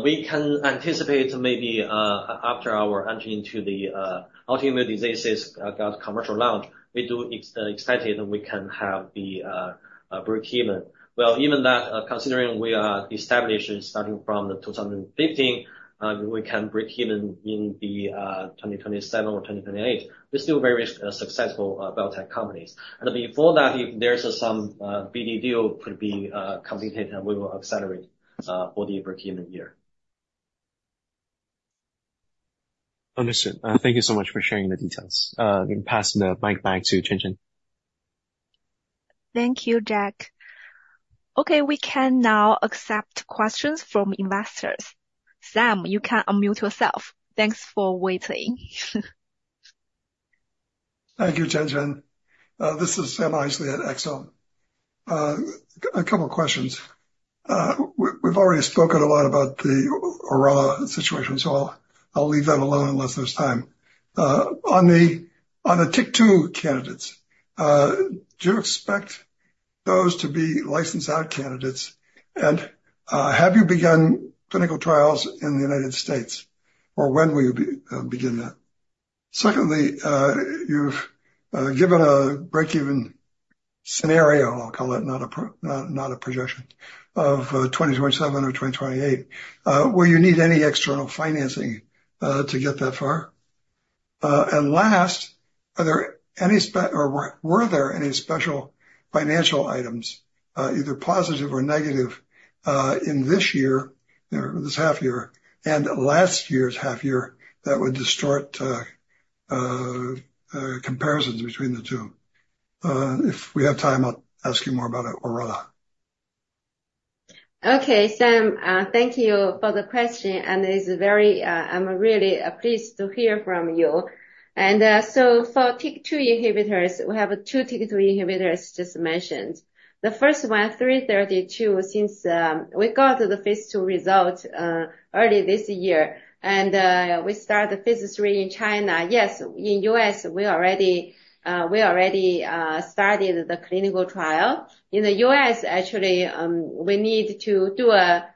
we can anticipate maybe after our entry into the autoimmune diseases commercial launch, we are excited, and we can have the break even. Even that, considering we are establishment starting from 2015, we can break even in 2027 or 2028. We're still very successful biotech companies. And before that, if there's some BD deal could be completed, and we will accelerate for the break even year. Understood. Thank you so much for sharing the details. Passing the mic back to Chen Chen. Thank you, Jack. Okay, we can now accept questions from investors. Sam, you can unmute yourself. Thanks for waiting. Thank you, Chen Chen. This is Sam Isaly at Exome Asset Management. A couple of questions. We've already spoken a lot about the orelabrutinib situation, so I'll leave that alone unless there's time. On the TYK2 candidates, do you expect those to be licensed out candidates? And have you begun clinical trials in the United States, or when will you begin that? Secondly, you've given a break even scenario, I'll call it, not a projection, of 2027 or 2028. Will you need any external financing to get that far? Last, are there any special financial items, either positive or negative, in this year, or this half year, and last year's half year, that would distort comparisons between the two? If we have time, I'll ask you more about orelabrutinib. - Okay, Sam, thank you for the question, and it's very, I'm really pleased to hear from you. So for TYK2 inhibitors, we have two TYK2 inhibitors just mentioned. The first one, three thirty-two, since we got the phase II result early this year, and we started the phase III in China. Yes, in U.S., we already started the clinical trial. In the U.S., actually, we need to do a,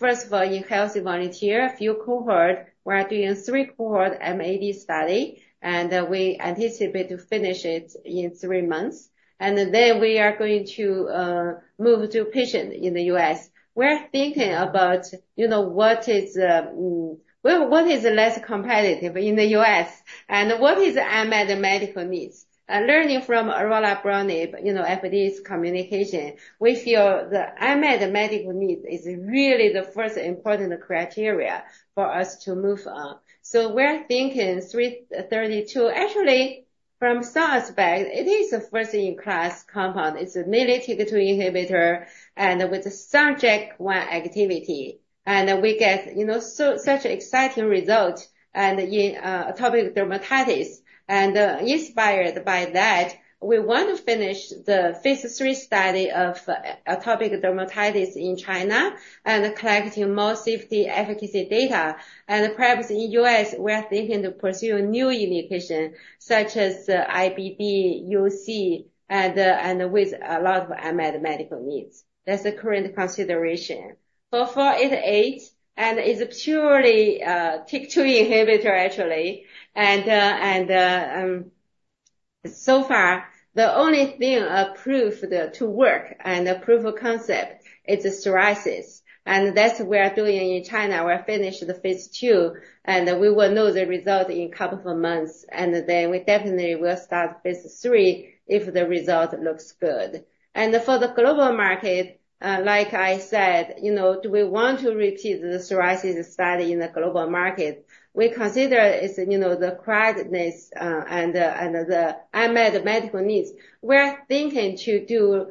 first of all, in healthy volunteer, a few cohorts. We are doing three-cohort MAD study, and we anticipate to finish it in three months. Then we are going to move to patients in the U.S. We're thinking about, you know, what is, well, what is less competitive in the U.S., and what is unmet medical needs. Learning from orelabrutinib, you know, FDA's communication, we feel the unmet medical need is really the first important criteria for us to move on. So we're thinking ICP-332. Actually, from a scientific background, it is a first-in-class compound. It's an allosteric TYK2 inhibitor with selective activity. And we get, you know, such exciting results in atopic dermatitis. Inspired by that, we want to finish the phase III study of atopic dermatitis in China and collecting more safety, efficacy data. Perhaps in U.S., we are thinking to pursue a new indication, such as IBD, UC, and with a lot of unmet medical needs. That's the current consideration. For ICP-488, it is a purely TYK2 inhibitor, actually. So far, the only thing approved to work and approved concept is the psoriasis, and that's what we are doing in China. We're finished the phase II, and we will know the result in a couple of months, and then we definitely will start phase III if the result looks good. For the global market, like I said, you know, do we want to repeat the psoriasis study in the global market? We consider it's, you know, the crowdedness and the unmet medical needs. We're thinking to do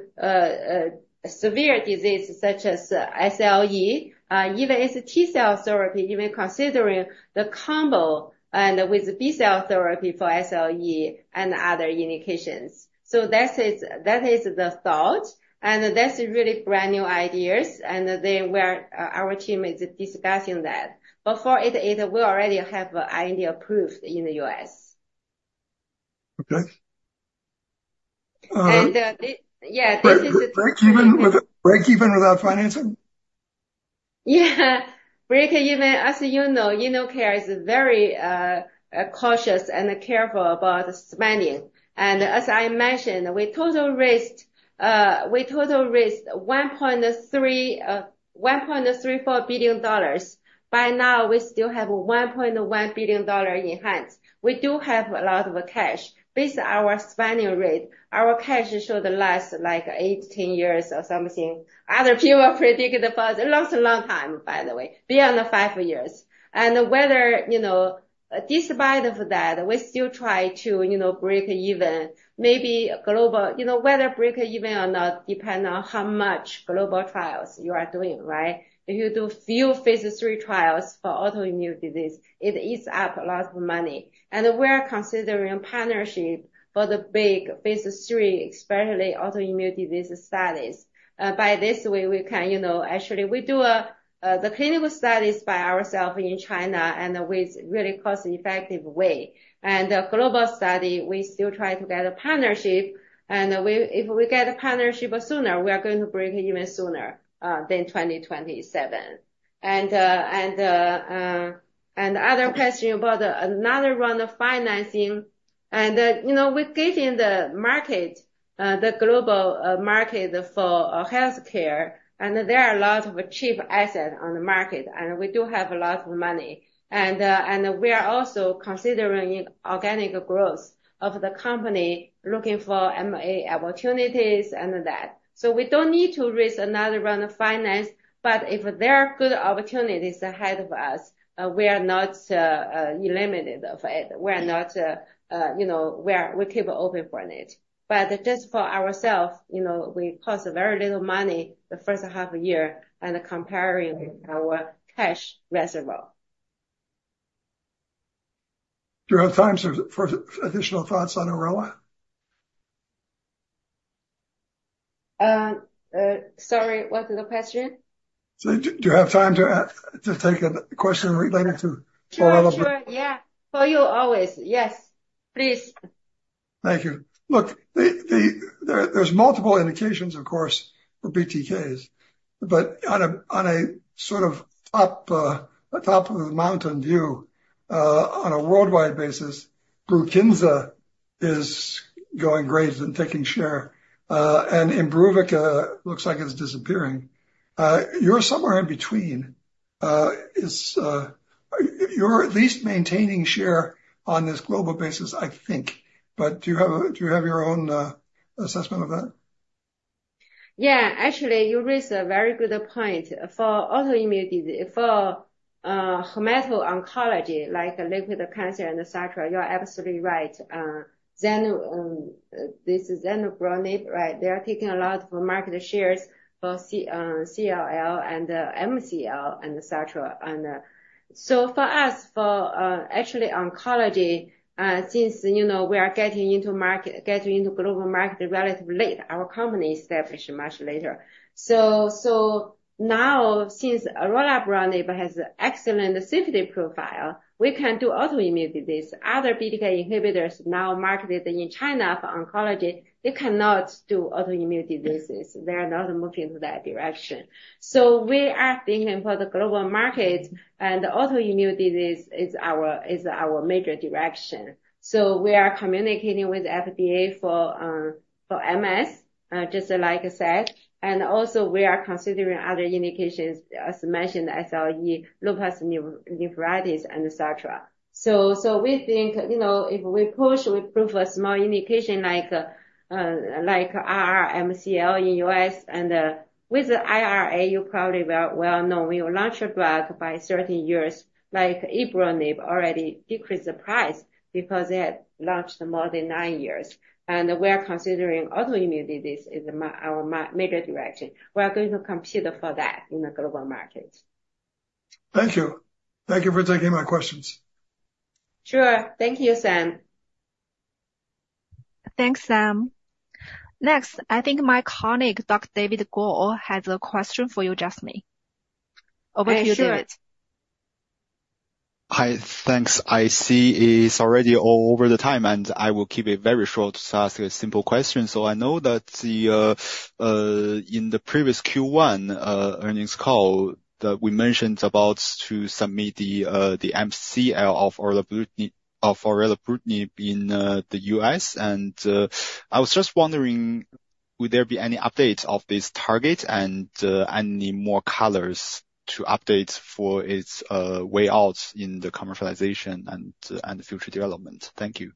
severe diseases such as SLE. Even as a T-cell therapy, even considering the combo and with B-cell therapy for SLE and other indications. That is the thought, and that's really brand-new ideas. Our team is discussing that. But for ICP-488, we already have IND approved in the U.S. Okay. Um- Yeah, this is- Break even, with break even without financing? Yeah, break even, as you know, InnoCare is very cautious and careful about spending. And as I mentioned, we total raised $1.34 billion. By now, we still have $1.1 billion in hand. We do have a lot of cash. Based on our spending rate, our cash should last, like, eight, 10 years or something. Other people are predicting for us, it lasts a long time, by the way, beyond the five years. And whatever, you know, despite of that, we still try to, you know, break even. Maybe global, you know, whether break even or not, depend on how much global trials you are doing, right? If you do few phase III trials for autoimmune disease, it eats up a lot of money. And we're considering partnership for the big phase III, especially autoimmune disease studies. By this way, we can, you know, actually we do the clinical studies by ourselves in China and with really cost-effective way. And the global study, we still try to get a partnership, and we, if we get a partnership sooner, we are going to break even sooner than 2027. And other question about another round of financing, you know, we're getting the market, the global market for healthcare, and there are a lot of cheap assets on the market, and we do have a lot of money. And we are also considering organic growth of the company, looking for MA opportunities and that. So we don't need to raise another round of finance, but if there are good opportunities ahead of us, we are not eliminated of it. We are not, you know, we keep open for it. But just for ourselves, you know, we cost very little money the first half year and comparing our cash reservoir. Do you have time for additional thoughts on orelabrutinib? Sorry, what's the question? Do you have time to take a question related to orelabrutinib? Sure, sure. Yeah. For you, always. Yes, please. Thank you. Look, there's multiple indications, of course, for BTKs, but on a sort of top of the mountain view, on a worldwide basis, BRUKINSA is going great and taking share and Imbruvica looks like it's disappearing. You're somewhere in between. You're at least maintaining share on this global basis, I think. But do you have your own assessment of that? Yeah, actually, you raise a very good point. For autoimmune disease, hematology oncology, like liquid cancer and et cetera, you are absolutely right. Then, this is Zanubrutinib, right? They are taking a lot of market shares for CLL and MCL and et cetera. And, so for us, actually oncology, since, you know, we are getting into market, getting into global market relatively late, our company established much later. So, now, since orelabrutinib has excellent safety profile, we can do autoimmune disease. Other BTK inhibitors now marketed in China for oncology, they cannot do autoimmune diseases. They are not moving into that direction. So we are thinking for the global market, and autoimmune disease is our major direction. We are communicating with FDA for MS, just like I said, and also we are considering other indications, as mentioned, SLE, lupus nephritis, et cetera. We think, you know, if we push, we prove a small indication like RR MCL in U.S., and with the IRA, you probably well know, we will launch a drug by certain years, like ibrutinib already decreased the price because it launched more than nine years. We are considering autoimmune disease is our major direction. We are going to compete for that in the global market. Thank you. Thank you for taking my questions. Sure. Thank you, Sam. Thanks, Sam. Next, I think my colleague, Dr. David Gu, has a question for you, Jasmine. Over to you, David. Sure. Hi. Thanks. I see it's already over the time, and I will keep it very short to ask a simple question, so I know that the, in the previous Q1, earnings call, that we mentioned about to submit the, the MCL of orelabrutinib- of orelabrutinib in, the U.S. And, I was just wondering, would there be any update of this target and, any more colors to update for its, way out in the commercialization and, and future development? Thank you.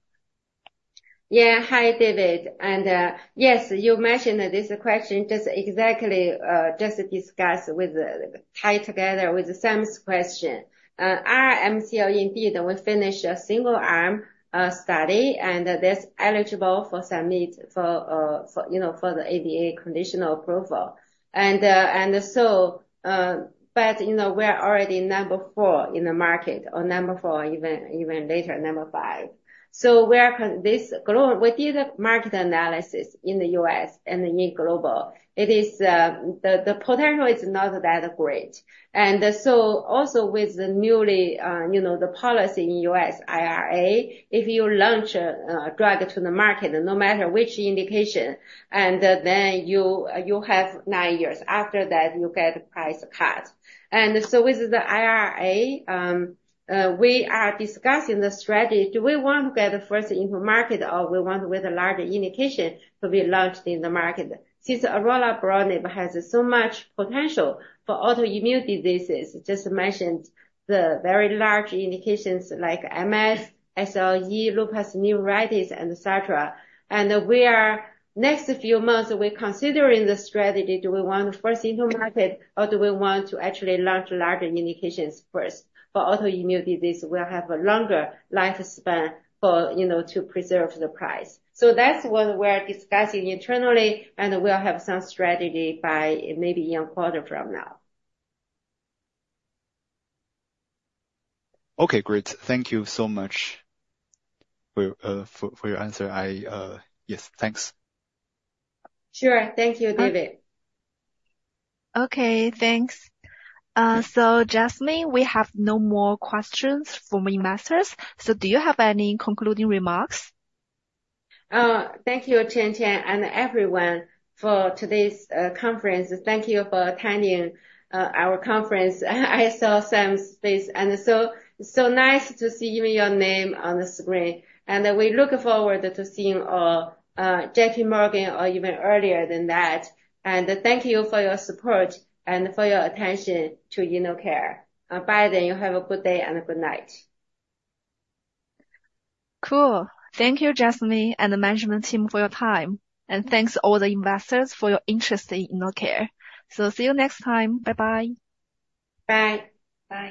Yeah. Hi, David. And, yes, you mentioned this question just exactly, just discuss with, tie together with Sam's question. RR-MCL, indeed, we finished a single-arm study, and that's eligible for submit for, you know, for the NDA conditional approval. And, and so, but, you know, we're already number four in the market, or number four, even later, number five. So we conducted this global market analysis in the U.S. and in global. It is, the, the potential is not that great. And so also with the newly, you know, the policy in U.S., IRA, if you launch a drug to the market, no matter which indication, and then you have nine years. After that, you get price cut. And so with the IRA, we are discussing the strategy. Do we want to get first into market, or we want with a larger indication to be launched in the market? Since orelabrutinib has so much potential for autoimmune diseases, just mentioned the very large indications like MS, SLE, lupus nephritis, and et cetera. And we are, next few months, we're considering the strategy. Do we want to first enter market, or do we want to actually launch larger indications first? For autoimmune disease, we'll have a longer lifespan for, you know, to preserve the price. So that's what we're discussing internally, and we'll have some strategy by maybe a quarter from now. Okay, great. Thank you so much for your answer. Yes, thanks. Sure. Thank you, David. Okay, thanks. So Jasmine, we have no more questions from investors. So do you have any concluding remarks? Thank you, Chen Chen, and everyone for today's conference. Thank you for attending our conference. I saw Sam's face, and so, so nice to see you, your name on the screen, and we look forward to seeing JPMorgan or even earlier than that, and thank you for your support and for your attention to InnoCare. Bye then, you have a good day and a good night. Cool. Thank you, Jasmine and the management team for your time. And thanks to all the investors for your interest in InnoCare. So see you next time. Bye-bye. Bye. Bye.